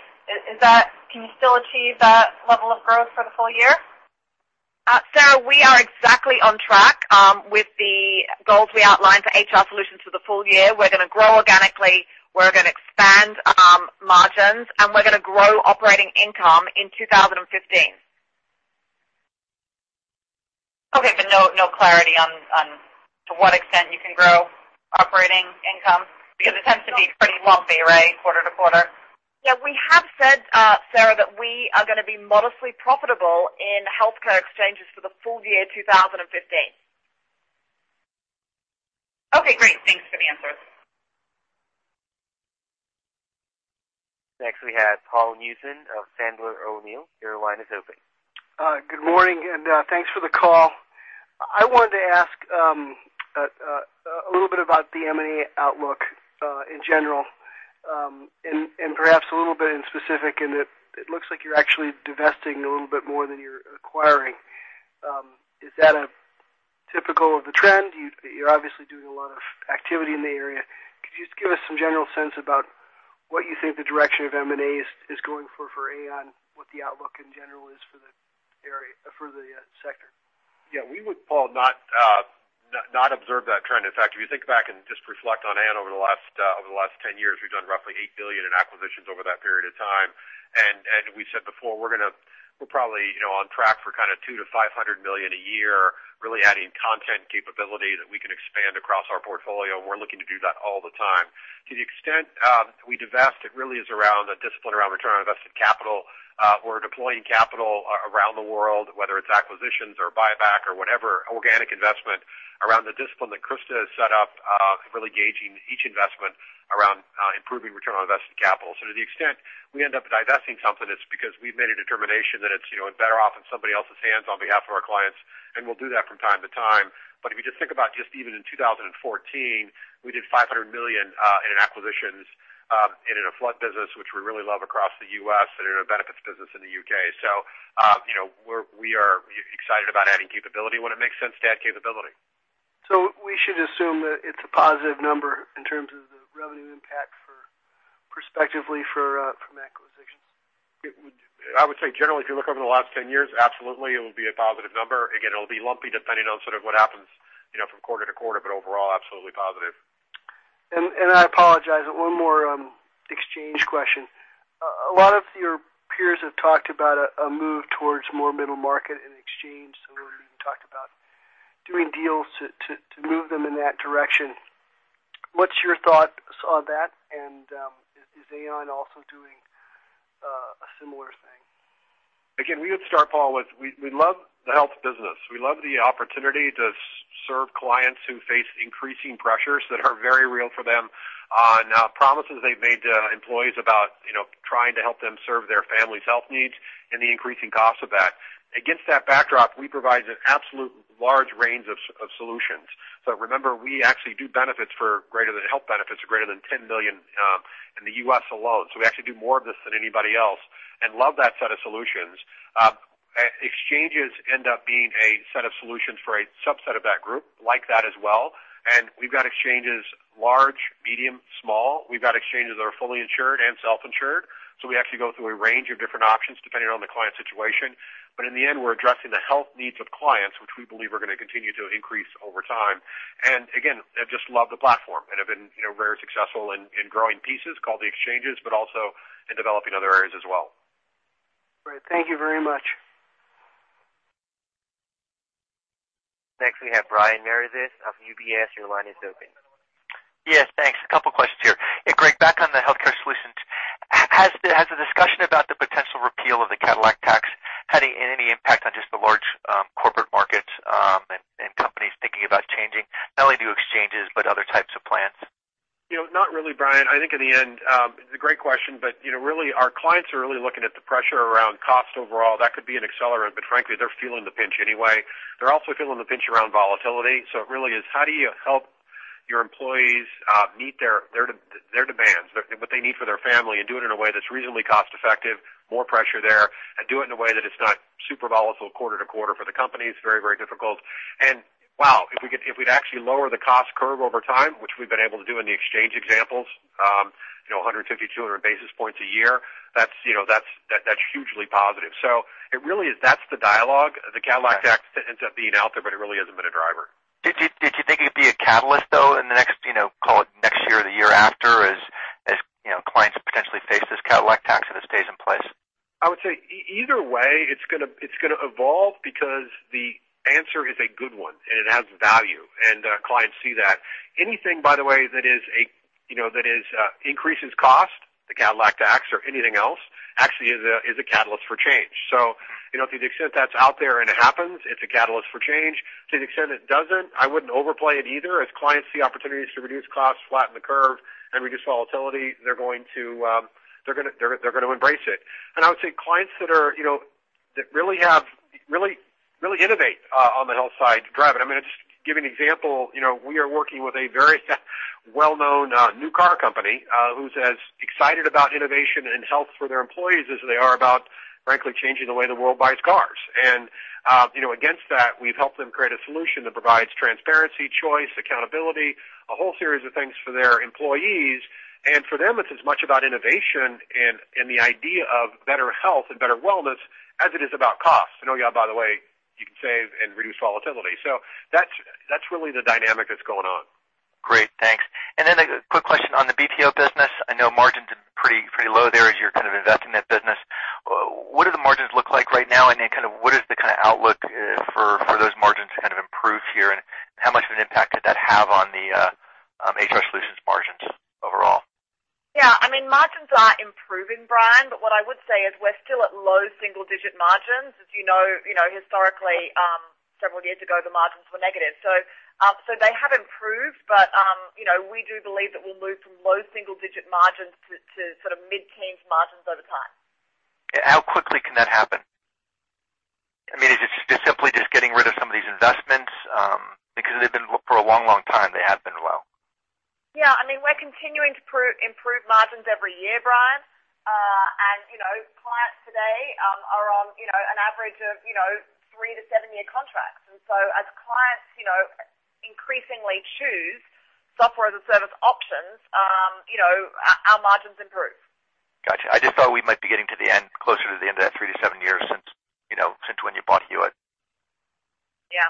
[SPEAKER 6] can you still achieve that level of growth for the full year?
[SPEAKER 3] Sarah, we are exactly on track with the goals we outlined for HR Solutions for the full year. We're going to grow organically, we're going to expand margins, and we're going to grow operating income in 2015.
[SPEAKER 6] Okay, but no clarity on to what extent you can grow operating income because it tends to be pretty lumpy, right, quarter to quarter?
[SPEAKER 3] Yeah, we have said, Sarah, that we are going to be modestly profitable in healthcare exchanges for the full year 2015.
[SPEAKER 6] Okay, great. Thanks for the answers.
[SPEAKER 1] Next, we have Paul Newsome of Sandler O'Neill. Your line is open.
[SPEAKER 7] Good morning, and thanks for the call. I wanted to ask a little bit about the M&A outlook in general, and perhaps a little bit in specific, and it looks like you're actually divesting a little bit more than you're acquiring. Is that a. Typical of the trend, you're obviously doing a lot of activity in the area. Could you just give us some general sense about what you think the direction of M&A is going for Aon, what the outlook in general is for the sector?
[SPEAKER 2] Yeah. We would, Paul, not observe that trend. In fact, if you think back and just reflect on Aon over the last 10 years, we've done roughly $8 billion in acquisitions over that period of time. We said before, we're probably on track for $200 million-$500 million a year, really adding content capability that we can expand across our portfolio, and we're looking to do that all the time. To the extent we divest, it really is around the discipline, around return on invested capital. We're deploying capital around the world, whether it's acquisitions or buyback or whatever, organic investment, around the discipline that Christa has set up, really gauging each investment around improving return on invested capital. To the extent we end up divesting something, it's because we've made a determination that it's better off in somebody else's hands on behalf of our clients, and we'll do that from time to time. If you just think about just even in 2014, we did $500 million in acquisitions, and in a flood business, which we really love across the U.S., and in a benefits business in the U.K. We are excited about adding capability when it makes sense to add capability.
[SPEAKER 7] We should assume that it's a positive number in terms of the revenue impact perspective from acquisitions.
[SPEAKER 2] I would say generally, if you look over the last 10 years, absolutely, it will be a positive number. Again, it'll be lumpy depending on sort of what happens from quarter to quarter, but overall, absolutely positive.
[SPEAKER 7] I apologize, one more exchange question. A lot of your peers have talked about a move towards more middle market and exchange. Some of them even talked about doing deals to move them in that direction. What's your thoughts on that, and is Aon also doing a similar thing?
[SPEAKER 2] We would start, Paul, with, we love the health business. We love the opportunity to serve clients who face increasing pressures that are very real for them. Now, promises they've made to employees about trying to help them serve their family's health needs and the increasing cost of that. Against that backdrop, we provide an absolute large range of solutions. Remember, we actually do health benefits greater than $10 million in the U.S. alone. We actually do more of this than anybody else and love that set of solutions. Exchanges end up being a set of solutions for a subset of that group, like that as well. We've got exchanges, large, medium, small. We've got exchanges that are fully insured and self-insured. We actually go through a range of different options depending on the client situation. In the end, we're addressing the health needs of clients, which we believe are going to continue to increase over time. Again, I just love the platform and have been very successful in growing pieces called the exchanges, but also in developing other areas as well.
[SPEAKER 7] Great. Thank you very much.
[SPEAKER 1] Next we have Brian Meredith of UBS. Your line is open.
[SPEAKER 8] Yes, thanks. A couple questions here. Greg, back on the healthcare solutions. Has the discussion about the potential repeal of the Cadillac tax had any impact on just the large corporate markets, and companies thinking about changing not only to exchanges, but other types of plans?
[SPEAKER 2] Not really, Brian. I think in the end, it's a great question. Our clients are really looking at the pressure around cost overall. That could be an accelerant, frankly, they're feeling the pinch anyway. They're also feeling the pinch around volatility. It really is how do you help your employees meet their demands, what they need for their family, and do it in a way that's reasonably cost-effective, more pressure there, and do it in a way that it's not super volatile quarter to quarter for the company. It's very, very difficult. Wow, if we'd actually lower the cost curve over time, which we've been able to do in the exchange examples, 150, 200 basis points a year, that's hugely positive. It really is, that's the dialogue. The Cadillac tax ends up being out there, but it really hasn't been a driver.
[SPEAKER 8] Did you think it'd be a catalyst, though, in the next, call it next year or the year after, as clients potentially face this Cadillac tax if this stays in place?
[SPEAKER 2] I would say either way, it's going to evolve because the answer is a good one, and it adds value, and our clients see that. Anything, by the way, that increases cost, the Cadillac tax or anything else, actually is a catalyst for change. To the extent that's out there and it happens, it's a catalyst for change. To the extent it doesn't, I wouldn't overplay it either. As clients see opportunities to reduce costs, flatten the curve, and reduce volatility, they're going to embrace it. I would say clients that really innovate on the health side drive it. I'm going to just give you an example. We are working with a very well-known new car company, who's as excited about innovation and health for their employees as they are about, frankly, changing the way the world buys cars. Against that, we've helped them create a solution that provides transparency, choice, accountability, a whole series of things for their employees. For them, it's as much about innovation and the idea of better health and better wellness as it is about cost. Oh, yeah, by the way, you can save and reduce volatility. That's really the dynamic that's going on.
[SPEAKER 8] Great. Thanks. A quick question on the BPO business. I know margins are pretty low there as you're kind of investing that business. What do the margins look like right now? What is the kind of outlook for those margins to kind of improve here? How much of an impact could that have on the HR Solutions margins overall?
[SPEAKER 3] Yeah. Margins are improving, Brian, what I would say is we're still at low single-digit margins. As you know, historically, several years ago, the margins were negative. They have improved, we do believe that we'll move from low single-digit margins to sort of mid-teens margins over time.
[SPEAKER 8] How quickly can that happen? Is it simply just getting rid of some of these investments? For a long, long time, they have been low.
[SPEAKER 3] Yeah. We're continuing to improve margins every year, Brian. Clients today are on an average of three to seven-year contracts. As clients increasingly choose software as a service options, our margins improve.
[SPEAKER 8] Got you. I just thought we might be getting closer to the end of that three to seven years since when you bought Hewitt.
[SPEAKER 3] Yeah.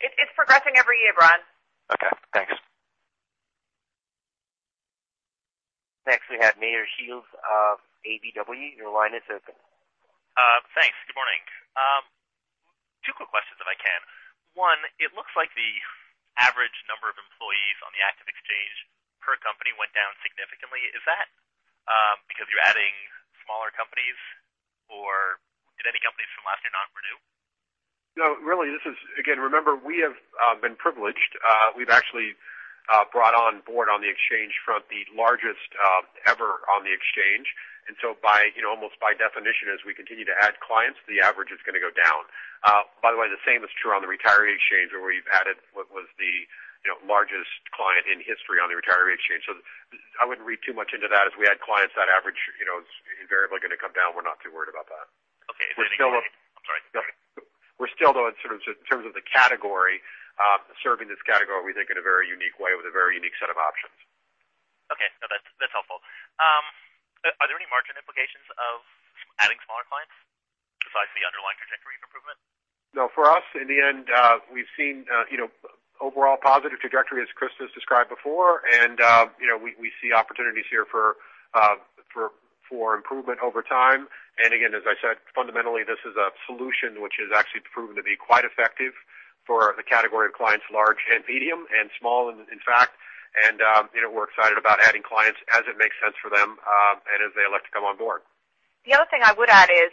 [SPEAKER 3] It's progressing every year, Brian.
[SPEAKER 8] Okay, thanks.
[SPEAKER 1] Next, we have Meyer Shields of KBW. Your line is open.
[SPEAKER 9] Thanks. Good morning. Two quick questions if I can. One, it looks like the average number of employees on the active exchange per company went down significantly. Is that because you're adding smaller companies, or did any companies from last year not renew?
[SPEAKER 2] No, really, this is, again, remember, we have been privileged. We've actually brought on board on the exchange front the largest ever on the exchange. Almost by definition, as we continue to add clients, the average is going to go down. By the way, the same is true on the retiree exchange, where we've added what was the largest client in history on the retiree exchange. I wouldn't read too much into that. As we add clients, that average is invariably going to come down. We're not too worried about that.
[SPEAKER 9] Okay.
[SPEAKER 2] We're still though, in terms of the category, serving this category, we think in a very unique way with a very unique set of options.
[SPEAKER 9] Okay. No, that's helpful. Are there any margin implications of adding smaller clients besides the underlying trajectory of improvement?
[SPEAKER 2] No. For us, in the end, we've seen overall positive trajectory, as Christa has described before, again, as I said, fundamentally, this is a solution which has actually proven to be quite effective for the category of clients, large and medium and small, in fact. We're excited about adding clients as it makes sense for them, and as they elect to come on board.
[SPEAKER 3] The other thing I would add is,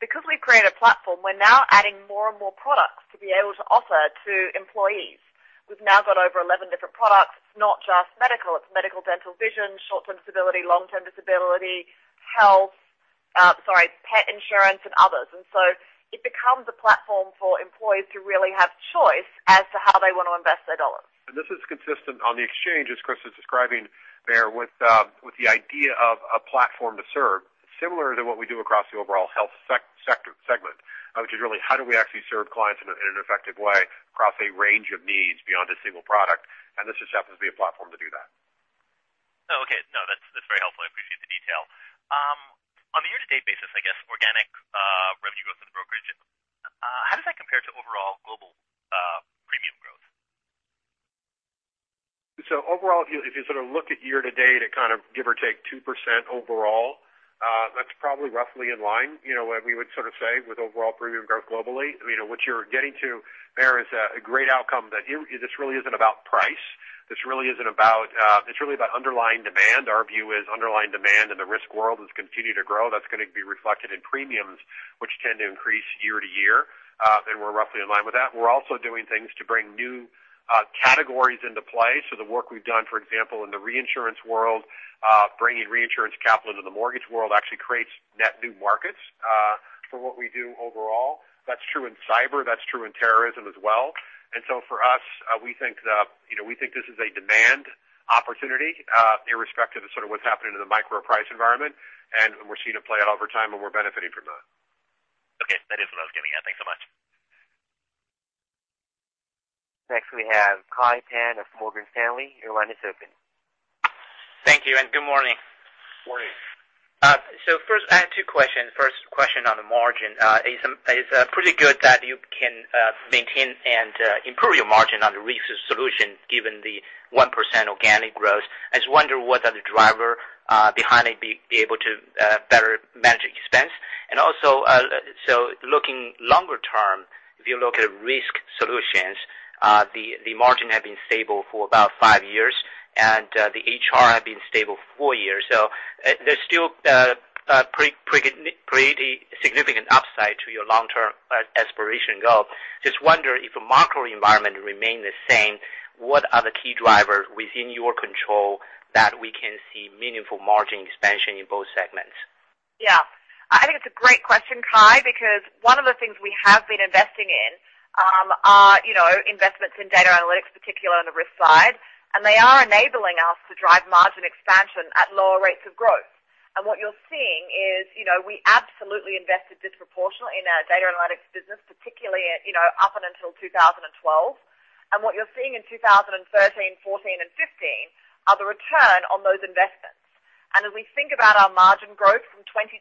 [SPEAKER 3] because we've created a platform, we're now adding more and more products to be able to offer to employees. We've now got over 11 different products, not just medical. It's medical, dental, vision, short-term disability, long-term disability, health, pet insurance, and others. So it becomes a platform for employees to really have choice as to how they want to invest their dollars.
[SPEAKER 2] This is consistent on the exchange, as Christa is describing, Meyer, with the idea of a platform to serve, similar to what we do across the overall health segment, which is really how do we actually serve clients in an effective way across a range of needs beyond a single product, this just happens to be a platform to do that.
[SPEAKER 9] Okay. That's very helpful. I appreciate the detail. On a year-to-date basis, I guess organic revenue growth in the brokerage, how does that compare to overall global premium growth?
[SPEAKER 2] Overall, if you look at year to date at give or take 2% overall, that's probably roughly in line. We would say with overall premium growth globally, what you're getting to, Meyer, is a great outcome that this really isn't about price. It's really about underlying demand. Our view is underlying demand in the risk world has continued to grow. That's going to be reflected in premiums, which tend to increase year to year. We're roughly in line with that. We're also doing things to bring new categories into play. The work we've done, for example, in the reinsurance world, bringing reinsurance capital into the mortgage world actually creates net new markets for what we do overall. That's true in cyber. That's true in terrorism as well. For us, we think this is a demand opportunity, irrespective of what's happening in the micro price environment. We're seeing it play out over time, and we're benefiting from that.
[SPEAKER 9] Okay. That is what I was getting at. Thanks so much.
[SPEAKER 1] Next, we have Kai Pan of Morgan Stanley. Your line is open.
[SPEAKER 10] Thank you, and good morning.
[SPEAKER 2] Morning.
[SPEAKER 10] First, I have two questions. First question on the margin. It's pretty good that you can maintain and improve your margin on the recent solution given the 1% organic growth. I just wonder what are the drivers behind being able to better manage expense. Looking longer term, if you look at Risk Solutions, the margin has been stable for about 5 years, and the HR has been stable 4 years. There's still pretty significant upside to your long-term aspiration goal. Just wonder if the macro environment remains the same, what are the key drivers within your control that we can see meaningful margin expansion in both segments?
[SPEAKER 3] I think it's a great question, Kai, because one of the things we have been investing in are investments in data analytics, particularly on the risk side. They are enabling us to drive margin expansion at lower rates of growth. What you're seeing is we absolutely invested disproportionately in our data analytics business, particularly up until 2012. What you're seeing in 2013, 2014, and 2015 are the return on those investments. As we think about our margin growth from 22.7%,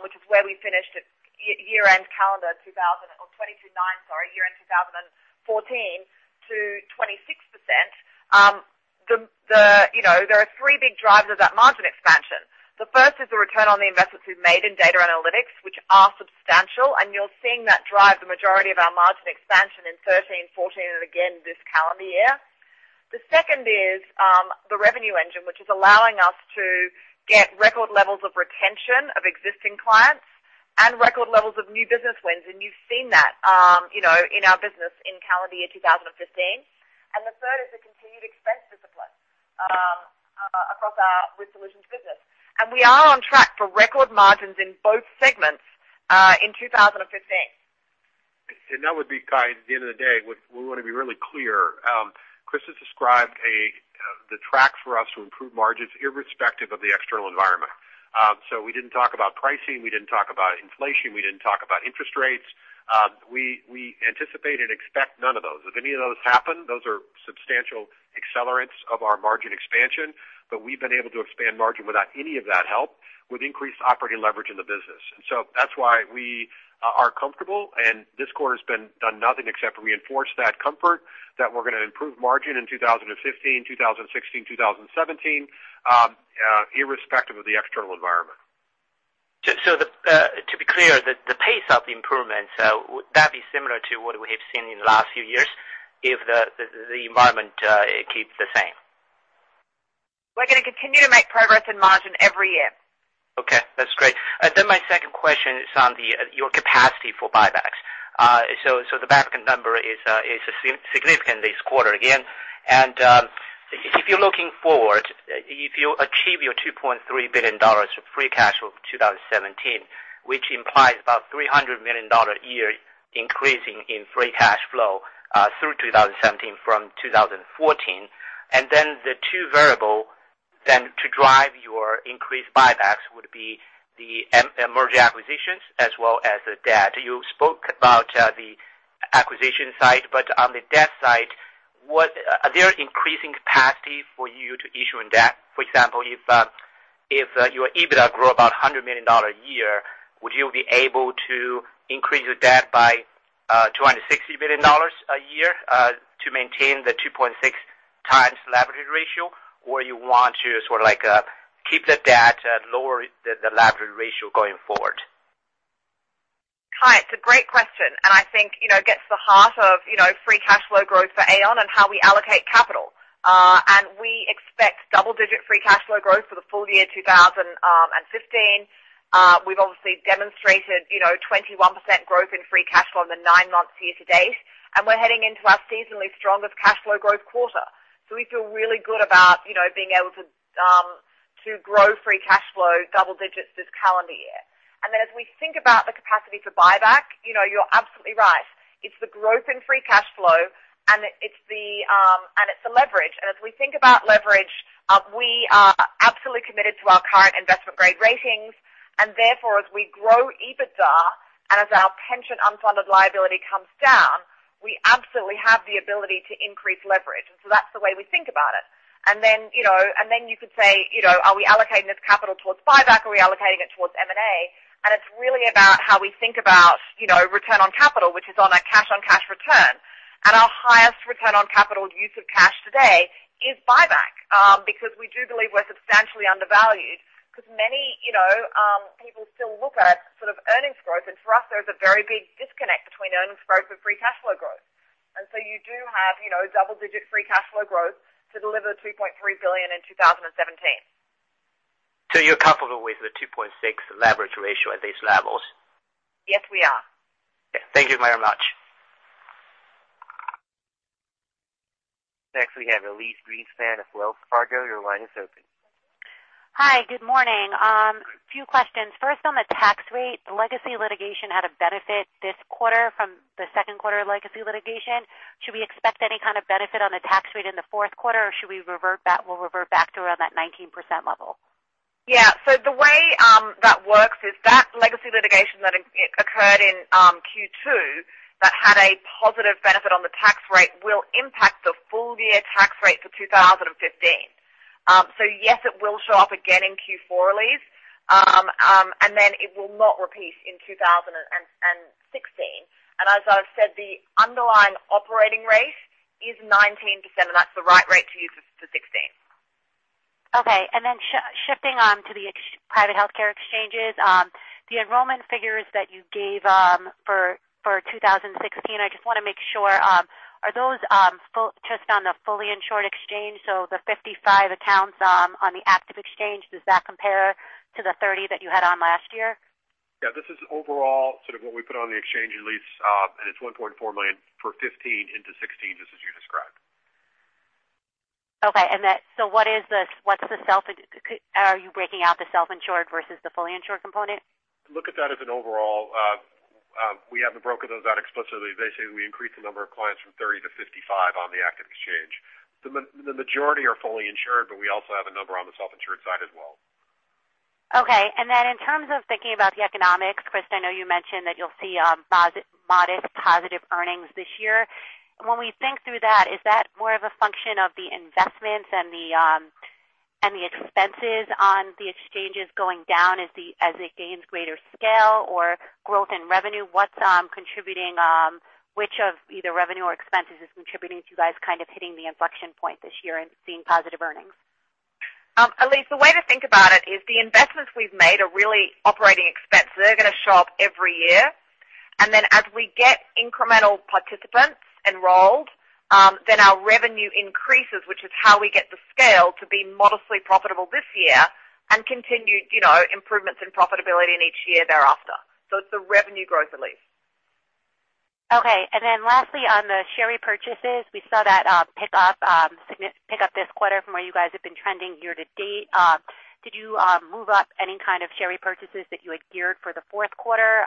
[SPEAKER 3] which is where we finished at year-end calendar 2000, or 22.9%, sorry, year-end 2014 to 26%, there are three big drivers of that margin expansion. First is the return on the investments we've made in data analytics, which are substantial, and you're seeing that drive the majority of our margin expansion in 2013, 2014, and again this calendar year. Second is the revenue engine, which is allowing us to get record levels of retention of existing clients and record levels of new business wins. You've seen that in our business in calendar year 2015. Third is the continued expense discipline across our Risk Solutions business. We are on track for record margins in both segments in 2015.
[SPEAKER 2] That would be, Kai, at the end of the day, we want to be really clear. Chris has described the track for us to improve margins irrespective of the external environment. We didn't talk about pricing, we didn't talk about inflation, we didn't talk about interest rates. We anticipate and expect none of those. If any of those happen, those are substantial accelerants of our margin expansion. We've been able to expand margin without any of that help, with increased operating leverage in the business. That's why we are comfortable, and this quarter's done nothing except reinforce that comfort that we're going to improve margin in 2015, 2016, 2017, irrespective of the external environment.
[SPEAKER 10] To be clear, the pace of the improvements, would that be similar to what we have seen in the last few years if the environment keeps the same?
[SPEAKER 3] We're going to continue to make progress in margin every year.
[SPEAKER 10] Okay, that's great. My second question is on your capacity for buybacks. The buyback number is significant this quarter again. If you're looking forward, if you achieve your $2.3 billion of free cash flow for 2017, which implies about $300 million a year increasing in free cash flow through 2017 from 2014. The two variables then to drive your increased buybacks would be the emerging acquisitions as well as the debt. You spoke about the acquisition side, but on the debt side, are there increasing capacity for you to issue in debt? For example, if your EBITDA grow about $100 million a year, would you be able to increase your debt by $260 million a year to maintain the 2.6 times leverage ratio, or you want to sort of keep the debt, lower the leverage ratio going forward?
[SPEAKER 3] Kai, it's a great question, I think it gets to the heart of free cash flow growth for Aon and how we allocate capital. We expect double-digit free cash flow growth for the full year 2015. We've obviously demonstrated 21% growth in free cash flow in the nine months year to date, and we're heading into our seasonally strongest cash flow growth quarter. We feel really good about being able to grow free cash flow double digits this calendar year. As we think about the capacity for buyback, you're absolutely right. It's the growth in free cash flow, it's the leverage. As we think about leverage, we are absolutely committed to our current investment-grade ratings. Therefore, as we grow EBITDA and as our pension unfunded liability comes down, we absolutely have the ability to increase leverage. That's the way we think about it. You could say, are we allocating this capital towards buyback, or are we allocating it towards M&A? It's really about how we think about return on capital, which is on a cash-on-cash return. Our highest return on capital use of cash today is buyback, because we do believe we're substantially undervalued. Because many people still look at sort of earnings growth. For us, there's a very big disconnect between earnings growth and free cash flow growth. You do have double-digit free cash flow growth to deliver $2.3 billion in 2017.
[SPEAKER 10] You're comfortable with the 2.6 leverage ratio at these levels?
[SPEAKER 3] Yes, we are.
[SPEAKER 10] Okay. Thank you very much.
[SPEAKER 1] Next, we have Elyse Greenspan of Wells Fargo. Your line is open.
[SPEAKER 11] Hi. Good morning. Few questions. First, on the tax rate, the legacy litigation had a benefit this quarter from the second quarter legacy litigation. Should we expect any kind of benefit on the tax rate in the fourth quarter, or should we revert back to around that 19% level?
[SPEAKER 3] Yeah. The way that works is that legacy litigation that occurred in Q2 that had a positive benefit on the tax rate will impact the full-year tax rate for 2015. Yes, it will show up again in Q4, Elyse. It will not repeat in 2016. As I've said, the underlying operating rate is 19%, and that's the right rate to use for 2016.
[SPEAKER 11] Okay. Shifting on to the private healthcare exchanges, the enrollment figures that you gave for 2016, I just want to make sure, are those just on the fully-insured exchange? The 55 accounts on the Active Exchange, does that compare to the 30 that you had on last year?
[SPEAKER 2] Yeah, this is overall sort of what we put on the exchange, Elyse, it's $1.4 million for 2015 into 2016, just as you described.
[SPEAKER 11] Okay. Are you breaking out the self-insured versus the fully-insured component?
[SPEAKER 2] Look at that as an overall. We haven't broken those out explicitly. Basically, we increased the number of clients from 30 to 55 on the Active Exchange. The majority are fully-insured, but we also have a number on the self-insured side as well.
[SPEAKER 11] Okay. And then in terms of thinking about the economics, Chris, I know you mentioned that you'll see modest positive earnings this year. When we think through that, is that more of a function of the investments and the expenses on the exchanges going down as it gains greater scale or growth in revenue? Which of either revenue or expenses is contributing to you guys kind of hitting the inflection point this year and seeing positive earnings?
[SPEAKER 3] Elyse, the way to think about it is the investments we've made are really operating expenses. They're going to show up every year. Then as we get incremental participants enrolled, then our revenue increases, which is how we get the scale to be modestly profitable this year and continued improvements in profitability in each year thereafter. It's the revenue growth, Elyse.
[SPEAKER 11] Okay. Then lastly, on the share repurchases, we saw that pick up this quarter from where you guys have been trending year to date. Did you move up any kind of share repurchases that you had geared for the fourth quarter?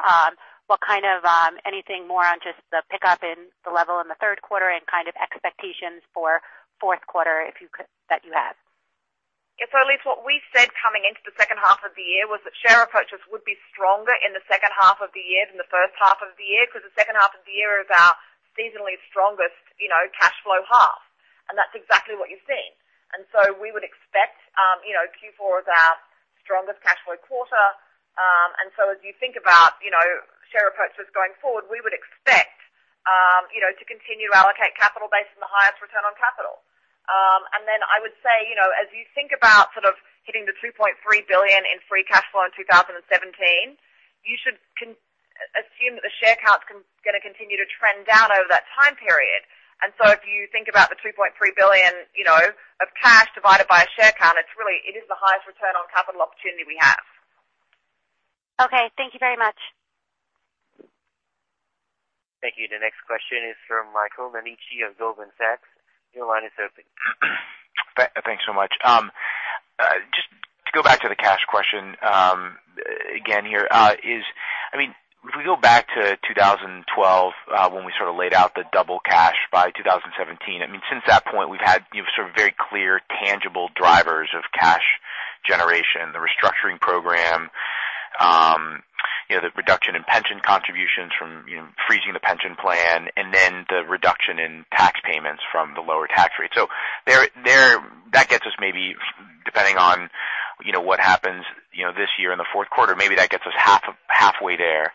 [SPEAKER 11] Anything more on just the pick up in the level in the third quarter and expectations for fourth quarter, that you have?
[SPEAKER 3] Yeah. Elyse, what we said coming into the second half of the year was that share repurchases would be stronger in the second half of the year than the first half of the year, because the second half of the year is our seasonally strongest cash flow half, and that's exactly what you've seen. We would expect Q4 as our strongest cash flow quarter. As you think about share repurchases going forward, we would expect to continue to allocate capital based on the highest return on capital. Then I would say, as you think about sort of hitting the $2.3 billion in free cash flow in 2017, you should assume that the share count is going to continue to trend down over that time period. If you think about the $2.3 billion of cash divided by a share count, it is the highest return on capital opportunity we have.
[SPEAKER 11] Okay. Thank you very much.
[SPEAKER 1] Thank you. The next question is from Michael Nannizzi of Goldman Sachs. Your line is open.
[SPEAKER 12] Thanks so much. Just to go back to the cash question, again, here. We go back to 2012, when we sort of laid out the double cash by 2017. Since that point, we've had sort of very clear tangible drivers of cash generation, the restructuring program, the reduction in pension contributions from freezing the pension plan, and then the reduction in tax payments from the lower tax rate. That gets us maybe, depending on what happens this year in the fourth quarter, maybe that gets us halfway there.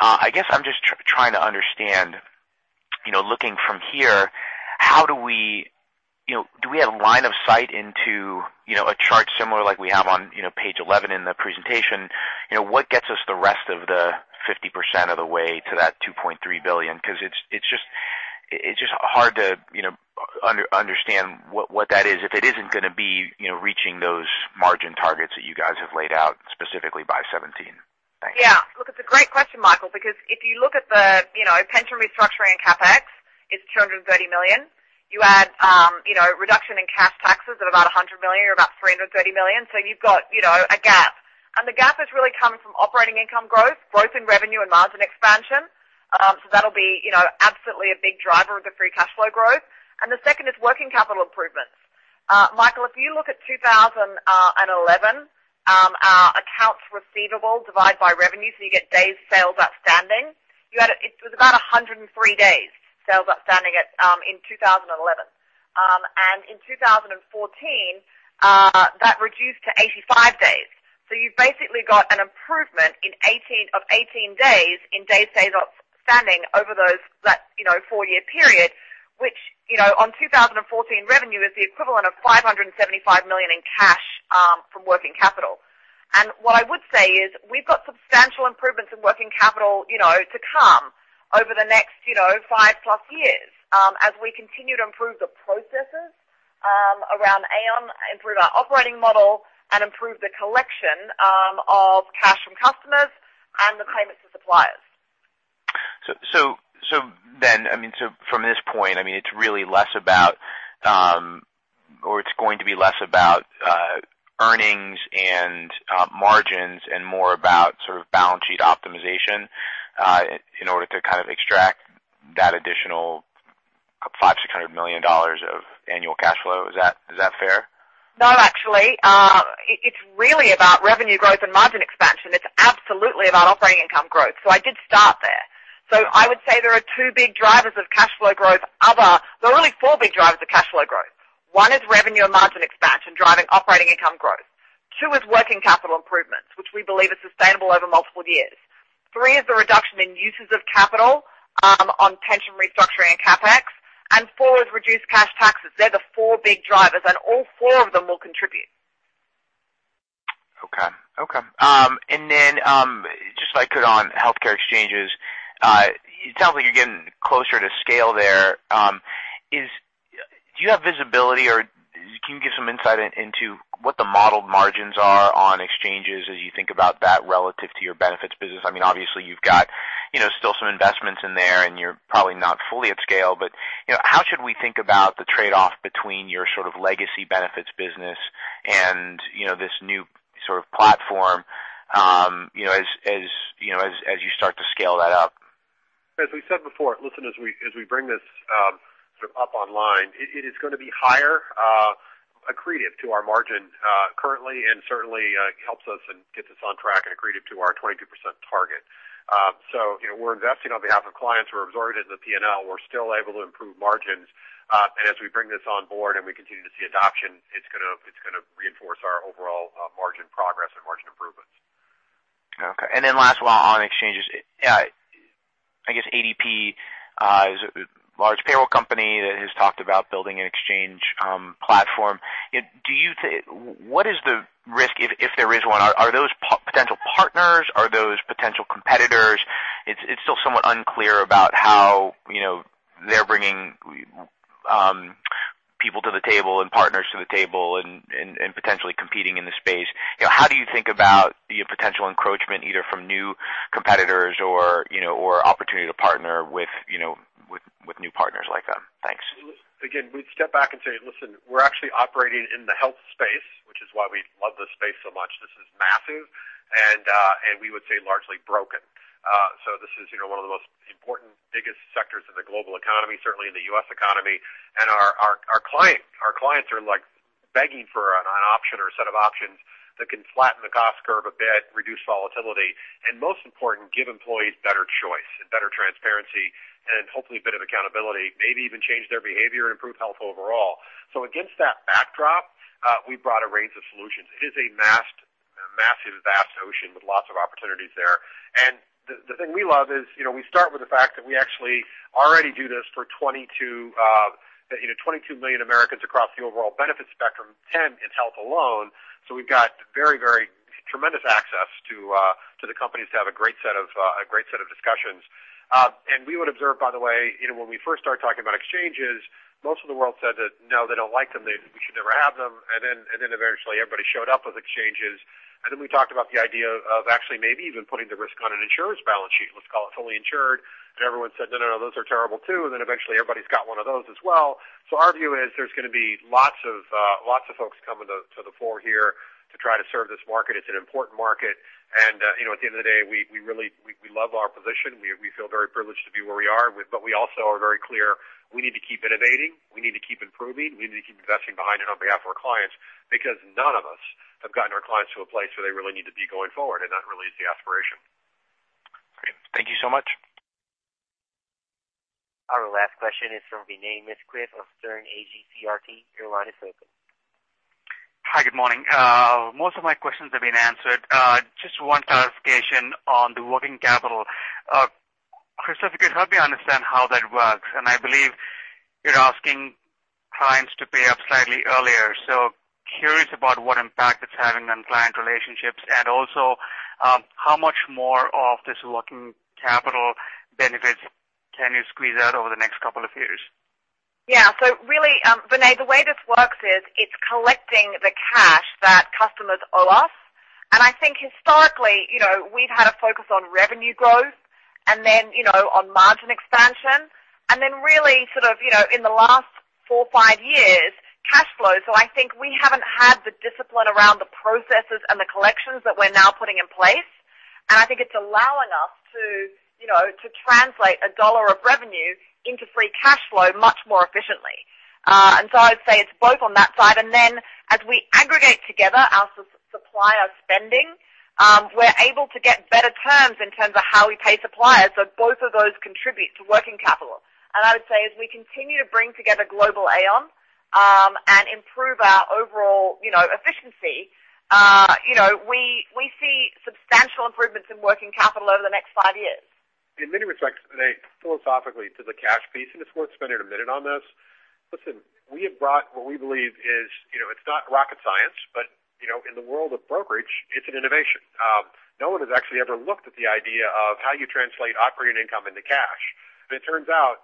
[SPEAKER 12] I guess I'm just trying to understand, looking from here, do we have line of sight into a chart similar like we have on page 11 in the presentation? What gets us the rest of the 50% of the way to that $2.3 billion? It's just hard to understand what that is, if it isn't going to be reaching those margin targets that you guys have laid out specifically by 2017. Thanks.
[SPEAKER 3] Look, it's a great question, Michael, if you look at the pension restructuring and CapEx, it's $230 million. You add reduction in cash taxes of about $100 million or about $330 million. You've got a gap. The gap has really come from operating income growth in revenue, and margin expansion. That'll be absolutely a big driver of the free cash flow growth. The second is working capital improvements. Michael, if you look at 2011, our accounts receivable divide by revenue, you get days sales outstanding. It was about 103 days sales outstanding in 2011. In 2014, that reduced to 85 days. You've basically got an improvement of 18 days in days sales outstanding over that four-year period, which on 2014 revenue is the equivalent of $575 million in cash from working capital. What I would say is we've got substantial improvements in working capital to come over the next five plus years as we continue to improve the processes around Aon, improve our operating model, and improve the collection of cash from customers and the payments to suppliers.
[SPEAKER 12] From this point, it's going to be less about earnings and margins and more about sort of balance sheet optimization, in order to kind of extract that additional $500 million-$600 million of annual cash flow. Is that fair?
[SPEAKER 3] No, actually. It's really about revenue growth and margin expansion. It's absolutely about operating income growth. I did start there. I would say there are two big drivers of cash flow growth. There are really four big drivers of cash flow growth. One is revenue and margin expansion, driving operating income growth. Two is working capital improvements, which we believe are sustainable over multiple years. Three is the reduction in uses of capital on pension restructuring and CapEx. Four is reduced cash taxes. They're the four big drivers, and all four of them will contribute.
[SPEAKER 12] Okay. Just so I could on healthcare exchanges. It sounds like you're getting closer to scale there. Do you have visibility, or can you give some insight into what the modeled margins are on exchanges as you think about that relative to your benefits business? Obviously, you've got still some investments in there, and you're probably not fully at scale, but how should we think about the trade-off between your sort of legacy benefits business and this new sort of platform as you start to scale that up?
[SPEAKER 2] As we said before, listen, as we bring this sort of up online, it is going to be higher accretive to our margin currently and certainly helps us and gets us on track and accretive to our 22% target. We're investing on behalf of clients. We're absorbing it in the P&L. We're still able to improve margins. As we bring this on board and we continue to see adoption, it's going to reinforce our overall margin progress and margin improvements.
[SPEAKER 12] Okay. Last one on exchanges. I guess ADP is a large payroll company that has talked about building an exchange platform. What is the risk, if there is one? Are those potential partners? Are those potential competitors? It's still somewhat unclear about how they're bringing people to the table and partners to the table and potentially competing in the space. How do you think about the potential encroachment, either from new competitors or opportunity to partner with new partners like them? Thanks.
[SPEAKER 2] We'd step back and say, listen, we're actually operating in the health space, which is why we love this space so much. This is massive, and we would say largely broken. This is one of the most important, biggest sectors of the global economy, certainly in the U.S. economy. Our clients are begging for an option or a set of options that can flatten the cost curve a bit, reduce volatility, and most important, give employees better choice and better transparency and hopefully a bit of accountability, maybe even change their behavior, improve health overall. Against that backdrop, we've brought a range of solutions. It is a massive, vast ocean with lots of opportunities there. The thing we love is, we start with the fact that we actually already do this for 22 million Americans across the overall benefits spectrum, 10 in health alone. We've got very tremendous access to the companies to have a great set of discussions. We would observe, by the way, when we first started talking about exchanges, most of the world said that, no, they don't like them, we should never have them. Eventually everybody showed up with exchanges, we talked about the idea of actually maybe even putting the risk on an insurance balance sheet. Let's call it fully insured. Everyone said, "No, no, those are terrible, too." Eventually everybody's got one of those as well. Our view is there's going to be lots of folks coming to the fore here to try to serve this market. It's an important market, and at the end of the day, we love our position. We feel very privileged to be where we are, but we also are very clear we need to keep innovating. We need to keep improving. We need to keep investing behind and on behalf of our clients, because none of us have gotten our clients to a place where they really need to be going forward, and that really is the aspiration.
[SPEAKER 12] Great. Thank you so much.
[SPEAKER 1] Our last question is from Vinay Misquith of Sterne Agee CRT. Your line is open.
[SPEAKER 13] Hi, good morning. Most of my questions have been answered. Just one clarification on the working capital. Christa, if you could help me understand how that works. I believe you're asking clients to pay up slightly earlier, curious about what impact it's having on client relationships, also, how much more of this working capital benefits can you squeeze out over the next couple of years?
[SPEAKER 3] Yeah. Really, Vinay, the way this works is it's collecting the cash that customers owe us. I think historically, we've had a focus on revenue growth and then on margin expansion, and then really sort of in the last four or five years, cash flow. I think we haven't had the discipline around the processes and the collections that we're now putting in place. I think it's allowing us to translate a dollar of revenue into free cash flow much more efficiently. I'd say it's both on that side, and then as we aggregate together our supplier spending, we're able to get better terms in terms of how we pay suppliers. Both of those contribute to working capital. I would say as we continue to bring together global Aon, and improve our overall efficiency, we see substantial improvements in working capital over the next five years.
[SPEAKER 2] In many respects, Vinay, philosophically to the cash piece, it's worth spending a minute on this. Listen, we have brought what we believe is, it's not rocket science, but in the world of brokerage, it's an innovation. No one has actually ever looked at the idea of how you translate operating income into cash. It turns out,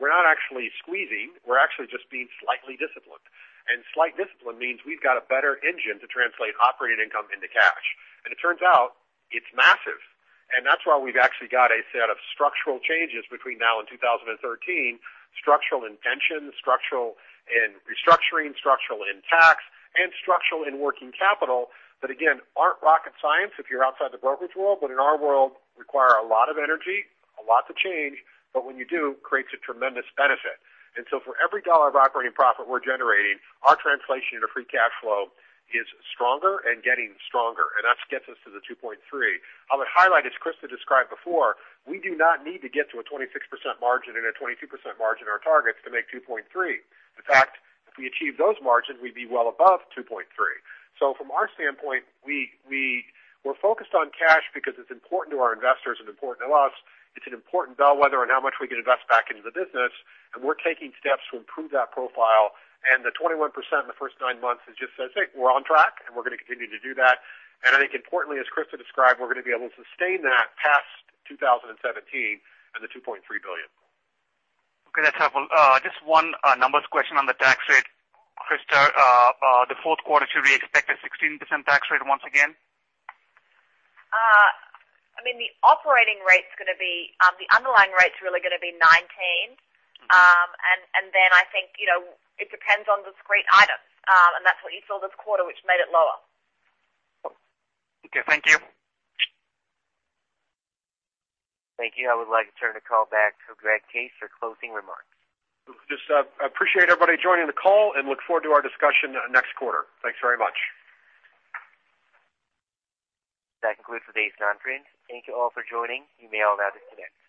[SPEAKER 2] we're not actually squeezing. We're actually just being slightly disciplined. Slight discipline means we've got a better engine to translate operating income into cash. It turns out it's massive. That's why we've actually got a set of structural changes between now and 2013, structural in pension, structural in restructuring, structural in tax, and structural in working capital that, again, aren't rocket science if you're outside the brokerage world, but in our world require a lot of energy, a lot to change, but when you do, creates a tremendous benefit. For every $1 of operating profit we're generating, our translation into free cash flow is stronger and getting stronger, and that gets us to the $2.3 billion. I would highlight, as Christa described before, we do not need to get to a 26% margin and a 22% margin, our targets, to make $2.3 billion. In fact, if we achieve those margins, we'd be well above $2.3 billion. From our standpoint, we're focused on cash because it's important to our investors and important to us. It's an important bellwether on how much we can invest back into the business, we're taking steps to improve that profile. The 21% in the first nine months just says, hey, we're on track, we're going to continue to do that. I think importantly, as Christa described, we're going to be able to sustain that past 2017 and the $2.3 billion.
[SPEAKER 13] Okay, let's have just one numbers question on the tax rate. Christa, the fourth quarter, should we expect a 16% tax rate once again?
[SPEAKER 3] The underlying rate's really going to be 19. Then I think it depends on discrete items. That's what you saw this quarter, which made it lower.
[SPEAKER 13] Okay. Thank you.
[SPEAKER 1] Thank you. I would like to turn the call back to Greg Case for closing remarks.
[SPEAKER 2] Just appreciate everybody joining the call and look forward to our discussion next quarter. Thanks very much.
[SPEAKER 1] That concludes today's conference. Thank you all for joining. You may all disconnect.